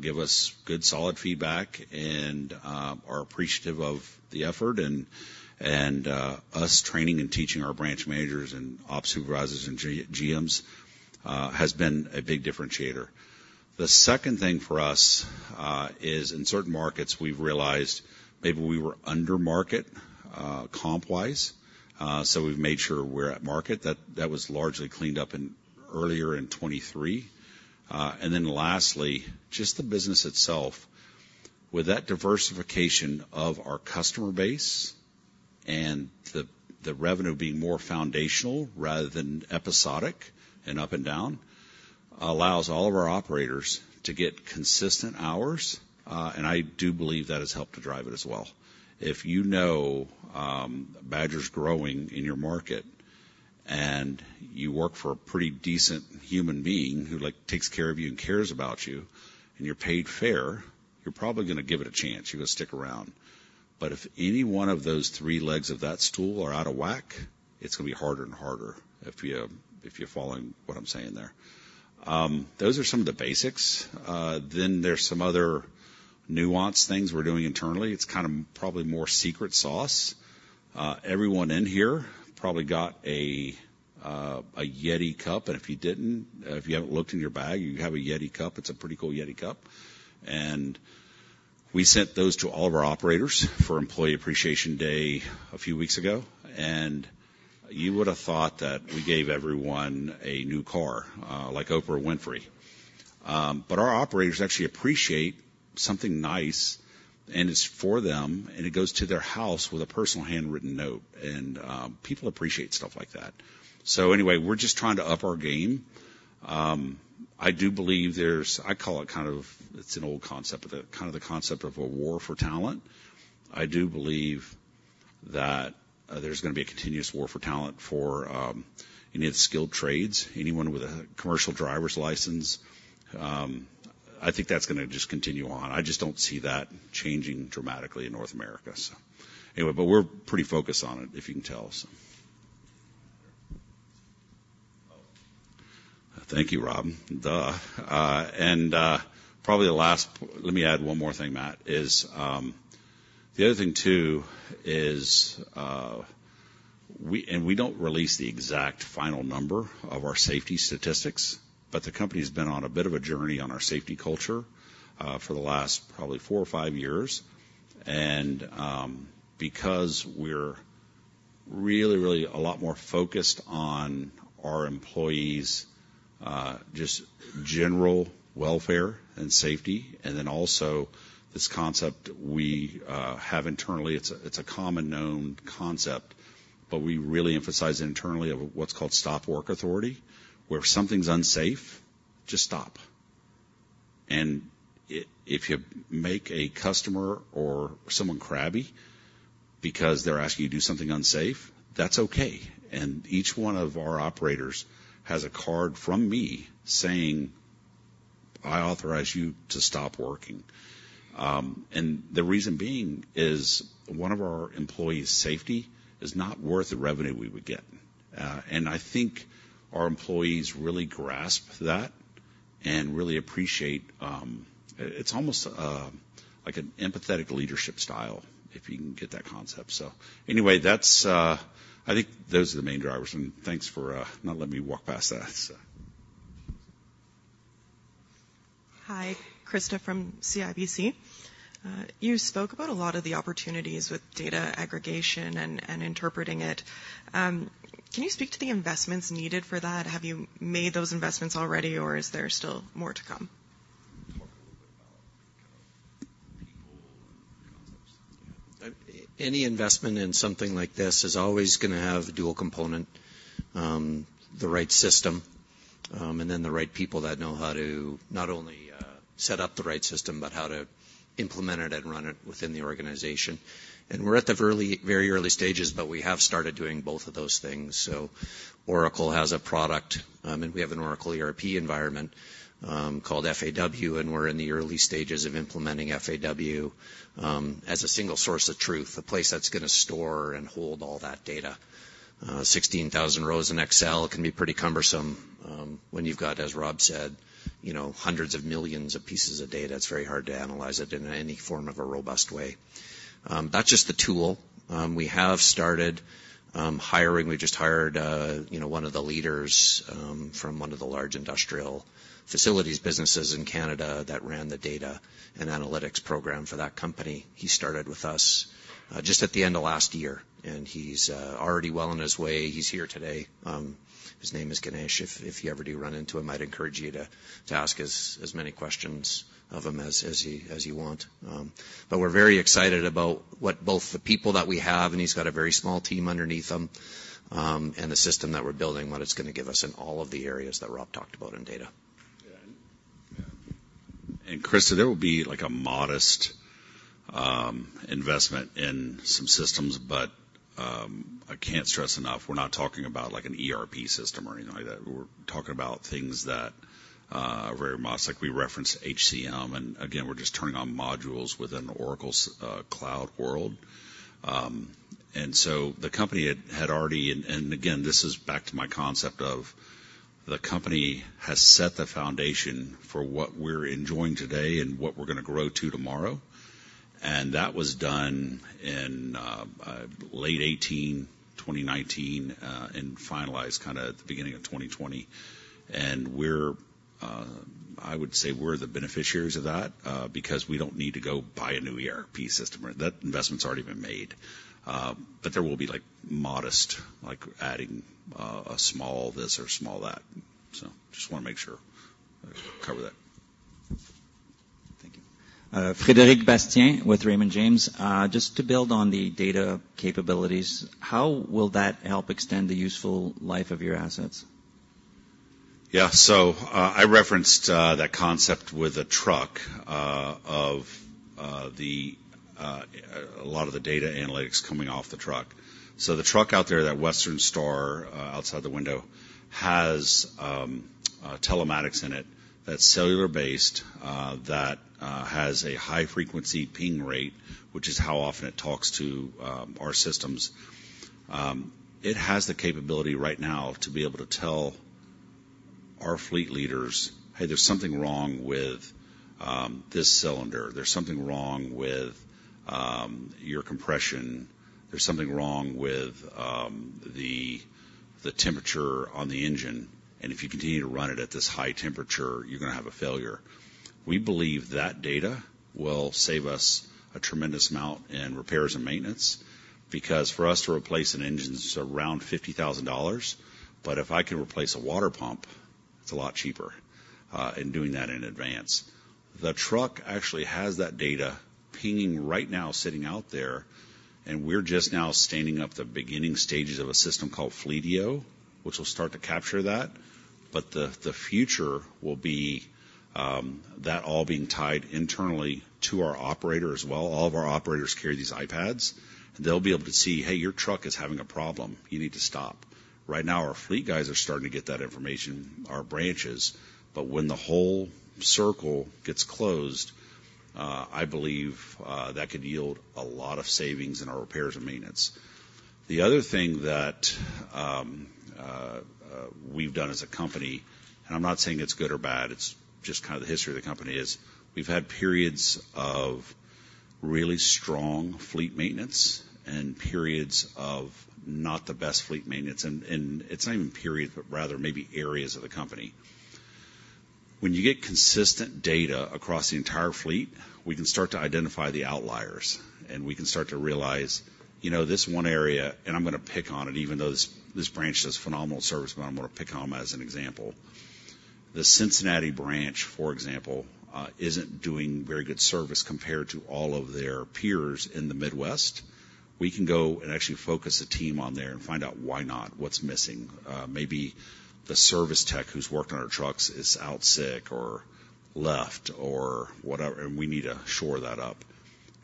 give us good, solid feedback and are appreciative of the effort. And us training and teaching our branch managers and ops supervisors and GMs has been a big differentiator. The second thing for us is in certain markets, we've realized maybe we were undermarket comp-wise. So we've made sure we're at market. That was largely cleaned up earlier in 2023. Then lastly, just the business itself, with that diversification of our customer base and the revenue being more foundational rather than episodic and up and down, allows all of our operators to get consistent hours. I do believe that has helped to drive it as well. If you know Badger's growing in your market and you work for a pretty decent human being who takes care of you and cares about you, and you're paid fair, you're probably going to give it a chance. You're going to stick around. But if any one of those three legs of that stool are out of whack, it's going to be harder and harder if you're following what I'm saying there. Those are some of the basics. Then there's some other nuanced things we're doing internally. It's kind of probably more secret sauce. Everyone in here probably got a YETI cup. If you didn't, if you haven't looked in your bag, you have a YETI cup. It's a pretty cool YETI cup. We sent those to all of our operators for Employee Appreciation Day a few weeks ago. You would have thought that we gave everyone a new car like Oprah Winfrey. But our operators actually appreciate something nice, and it's for them, and it goes to their house with a personal handwritten note. People appreciate stuff like that. So anyway, we're just trying to up our game. I do believe there's I call it kind of it's an old concept, but kind of the concept of a war for talent. I do believe that there's going to be a continuous war for talent for any of the skilled trades, anyone with a commercial driver's license. I think that's going to just continue on. I just don't see that changing dramatically in North America, so. Anyway, but we're pretty focused on it, if you can tell, so. Thank you, Rob. Duh. And probably the last—let me add one more thing, Matt—is the other thing, too, is and we don't release the exact final number of our safety statistics, but the company has been on a bit of a journey on our safety culture for the last probably 4 or 5 years. Because we're really, really a lot more focused on our employees' just general welfare and safety, and then also this concept we have internally, it's a common-known concept, but we really emphasize internally what's called Stop Work Authority, where if something's unsafe, just stop. And if you make a customer or someone crabby because they're asking you to do something unsafe, that's okay. Each one of our operators has a card from me saying, "I authorize you to stop working." The reason being is one of our employees' safety is not worth the revenue we would get. I think our employees really grasp that and really appreciate it. It's almost like an empathetic leadership style, if you can get that concept. So anyway, I think those are the main drivers. Thanks for not letting me walk past that, so. Hi, Krista from CIBC. You spoke about a lot of the opportunities with data aggregation and interpreting it. Can you speak to the investments needed for that? Have you made those investments already, or is there still more to come? Talk a little bit about people and concepts. Yeah. Any investment in something like this is always going to have dual component, the right system, and then the right people that know how to not only set up the right system, but how to implement it and run it within the organization. We're at the very early stages, but we have started doing both of those things. Oracle has a product, and we have an Oracle ERP environment called FAW, and we're in the early stages of implementing FAW as a single source of truth, a place that's going to store and hold all that data. 16,000 rows in Excel can be pretty cumbersome when you've got, as Rob said, hundreds of millions of pieces of data. It's very hard to analyze it in any form of a robust way. That's just the tool. We have started hiring. We just hired one of the leaders from one of the large industrial facilities businesses in Canada that ran the data and analytics program for that company. He started with us just at the end of last year, and he's already well in his way. He's here today. His name is Ganesh. If you ever do run into him, I'd encourage you to ask as many questions of him as you want. We're very excited about both the people that we have, and he's got a very small team underneath him, and the system that we're building, what it's going to give us in all of the areas that Rob talked about in data. Yeah. And Krista, there will be a modest investment in some systems, but I can't stress enough, we're not talking about an ERP system or anything like that. We're talking about things that are very modest. We referenced HCM, and again, we're just turning on modules within the Oracle Cloud world. And so the company had already and again, this is back to my concept of the company has set the foundation for what we're enjoying today and what we're going to grow to tomorrow. That was done in late 2018, 2019, and finalized kind of at the beginning of 2020. And I would say we're the beneficiaries of that because we don't need to go buy a new ERP system. That investment's already been made. But there will be modest adding a small this or small that. So just want to make sure I cover that. Thank you. Frederick Bastien with Raymond James. Just to build on the data capabilities, how will that help extend the useful life of your assets? Yeah. So I referenced that concept with a truck of a lot of the data analytics coming off the truck. So the truck out there, that Western Star outside the window, has telematics in it that's cellular-based that has a high-frequency ping rate, which is how often it talks to our systems. It has the capability right now to be able to tell our fleet leaders, "Hey, there's something wrong with this cylinder. There's something wrong with your compression. There's something wrong with the temperature on the engine. And if you continue to run it at this high temperature, you're going to have a failure." We believe that data will save us a tremendous amount in repairs and maintenance because for us to replace an engine, it's around $50,000. But if I can replace a water pump, it's a lot cheaper in doing that in advance. The truck actually has that data pinging right now, sitting out there. And we're just now standing up the beginning stages of a system called Fleetio, which will start to capture that. But the future will be that all being tied internally to our operator as well. All of our operators carry these iPads. They'll be able to see, "Hey, your truck is having a problem. You need to stop." Right now, our fleet guys are starting to get that information, our branches. But when the whole circle gets closed, I believe that could yield a lot of savings in our repairs and maintenance. The other thing that we've done as a company, and I'm not saying it's good or bad. It's just kind of the history of the company is we've had periods of really strong fleet maintenance and periods of not the best fleet maintenance. It's not even periods, but rather maybe areas of the company. When you get consistent data across the entire fleet, we can start to identify the outliers. We can start to realize, "This one area" and I'm going to pick on it, even though this branch does phenomenal service, but I'm going to pick on them as an example. The Cincinnati branch, for example, isn't doing very good service compared to all of their peers in the Midwest. We can go and actually focus a team on there and find out why not, what's missing. Maybe the service tech who's worked on our trucks is out sick or left or whatever, and we need to shore that up.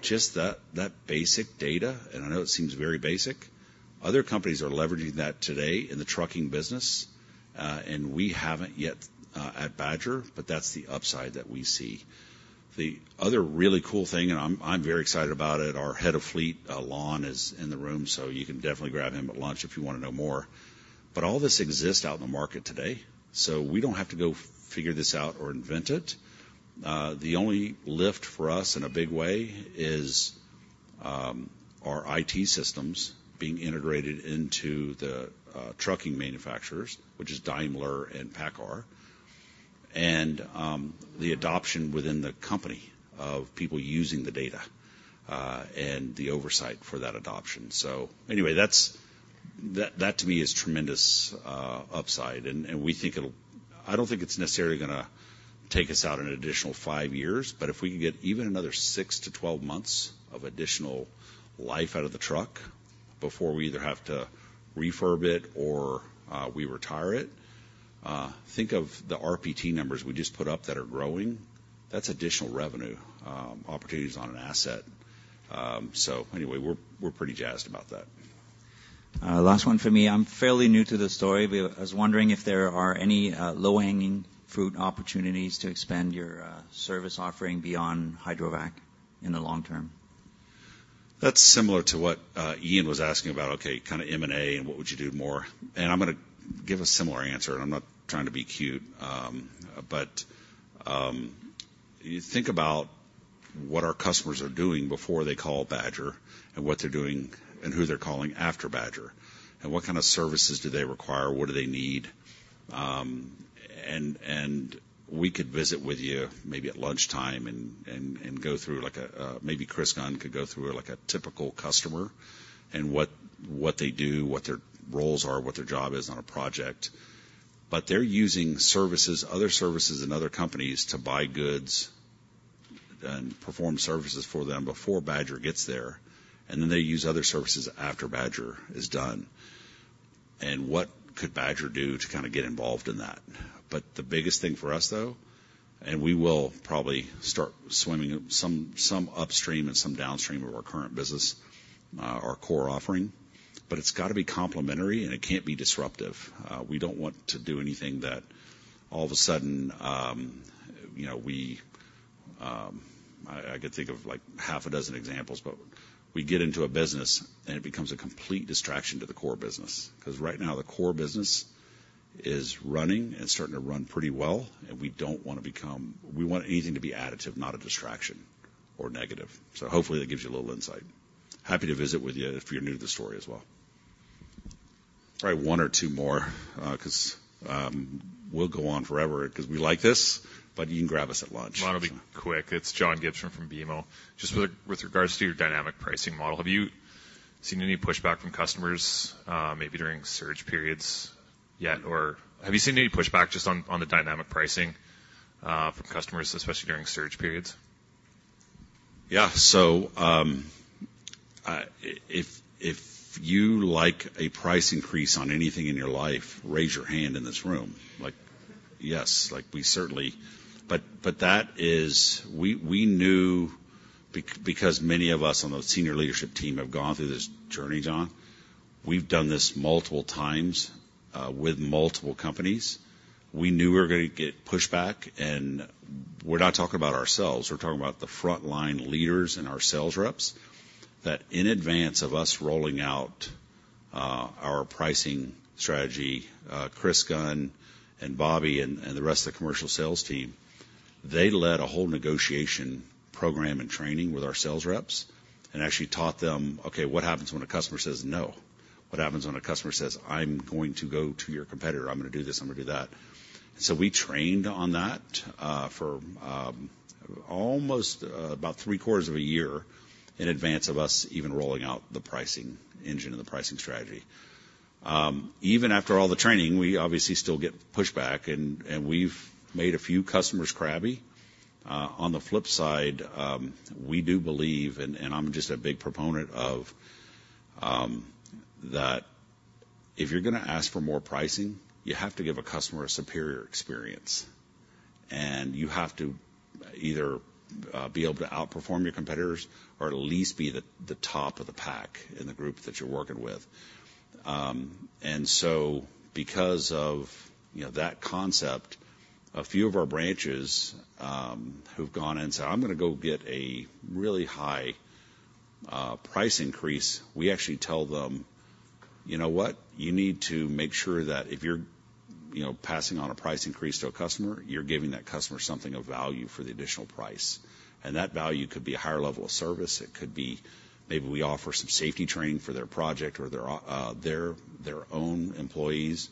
Just that basic data. I know it seems very basic. Other companies are leveraging that today in the trucking business. We haven't yet at Badger, but that's the upside that we see. The other really cool thing, and I'm very excited about it, our head of fleet, Lon, is in the room, so you can definitely grab him at lunch if you want to know more. But all this exists out in the market today, so we don't have to go figure this out or invent it. The only lift for us in a big way is our IT systems being integrated into the trucking manufacturers, which is Daimler and PACCAR, and the adoption within the company of people using the data and the oversight for that adoption. So anyway, that to me is tremendous upside. We think it'll. I don't think it's necessarily going to take us out an additional 5 years, but if we could get even another 6-12 months of additional life out of the truck before we either have to refurb it or we retire it. Think of the RPT numbers we just put up that are growing. That's additional revenue opportunities on an asset. So anyway, we're pretty jazzed about that. Last one for me. I'm fairly new to the story. I was wondering if there are any low-hanging fruit opportunities to expand your service offering beyond Hydrovac in the long term. That's similar to what Ian was asking about, okay, kind of M&A and what would you do more. And I'm going to give a similar answer, and I'm not trying to be cute. But you think about what our customers are doing before they call Badger and what they're doing and who they're calling after Badger and what kind of services do they require, what do they need. We could visit with you maybe at lunchtime and go through maybe Chris Gunn could go through a typical customer and what they do, what their roles are, what their job is on a project. But they're using other services and other companies to buy goods and perform services for them before Badger gets there. And then they use other services after Badger is done. And what could Badger do to kind of get involved in that? But the biggest thing for us, though, and we will probably start swimming some upstream and some downstream of our current business, our core offering. But it's got to be complementary, and it can't be disruptive. We don't want to do anything that all of a sudden I could think of half a dozen examples, but we get into a business, and it becomes a complete distraction to the core business because right now, the core business is running and starting to run pretty well. And we don't want to become. We want anything to be additive, not a distraction or negative. So hopefully, that gives you a little insight. Happy to visit with you if you're new to the story as well. All right, one or two more because we'll go on forever because we like this, but you can grab us at lunch. Might be quick. It's John Gibson from BMO. Just with regards to your dynamic pricing model, have you seen any pushback from customers maybe during surge periods yet? Or have you seen any pushback just on the dynamic pricing from customers, especially during surge periods? Yeah. So if you like a price increase on anything in your life, raise your hand in this room. Yes, we certainly. But we knew because many of us on the senior leadership team have gone through this journey, John, we've done this multiple times with multiple companies. We knew we were going to get pushback. And we're not talking about ourselves. We're talking about the frontline leaders and our sales reps that, in advance of us rolling out our pricing strategy, Chris Gunn and Bobby and the rest of the commercial sales team, they led a whole negotiation program and training with our sales reps and actually taught them, "Okay, what happens when a customer says no? What happens when a customer says, 'I'm going to go to your competitor. I'm going to do this. I'm going to do that?" And so we trained on that for almost about three-quarters of a year in advance of us even rolling out the pricing engine and the pricing strategy. Even after all the training, we obviously still get pushback, and we've made a few customers crabby. On the flip side, we do believe and I'm just a big proponent of that if you're going to ask for more pricing, you have to give a customer a superior experience. And you have to either be able to outperform your competitors or at least be the top of the pack in the group that you're working with. And so because of that concept, a few of our branches who've gone in and said, "I'm going to go get a really high price increase," we actually tell them, "You know what? You need to make sure that if you're passing on a price increase to a customer, you're giving that customer something of value for the additional price. And that value could be a higher level of service. It could be maybe we offer some safety training for their project or their own employees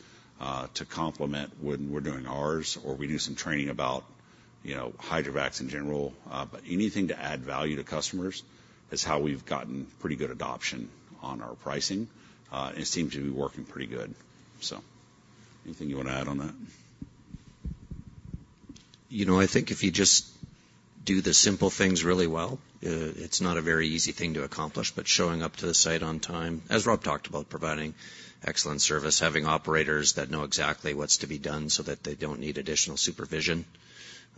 to complement when we're doing ours, or we do some training about hydrovacs in general. But anything to add value to customers is how we've gotten pretty good adoption on our pricing. And it seems to be working pretty good, so. Anything you want to add on that? I think if you just do the simple things really well, it's not a very easy thing to accomplish. But showing up to the site on time, as Rob talked about, providing excellent service, having operators that know exactly what's to be done so that they don't need additional supervision,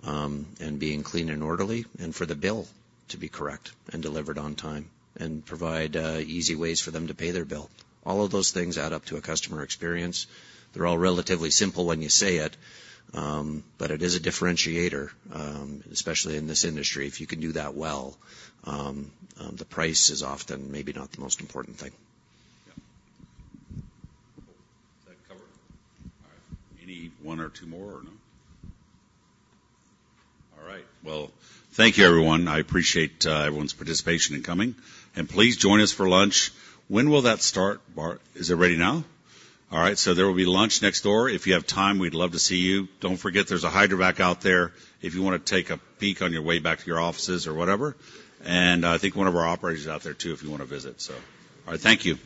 and being clean and orderly, and for the bill to be correct and delivered on time, and provide easy ways for them to pay their bill. All of those things add up to a customer experience. They're all relatively simple when you say it, but it is a differentiator, especially in this industry. If you can do that well, the price is often maybe not the most important thing. Yeah. Cool. Is that covered? All right. Any one or two more or no? All right. Well, thank you, everyone. I appreciate everyone's participation and coming. And please join us for lunch. When will that start? Is it ready now? All right. So there will be lunch next door. If you have time, we'd love to see you. Don't forget, there's a Hydrovac out there if you want to take a peek on your way back to your offices or whatever. And I think one of our operators is out there too if you want to visit, so. All right. Thank you.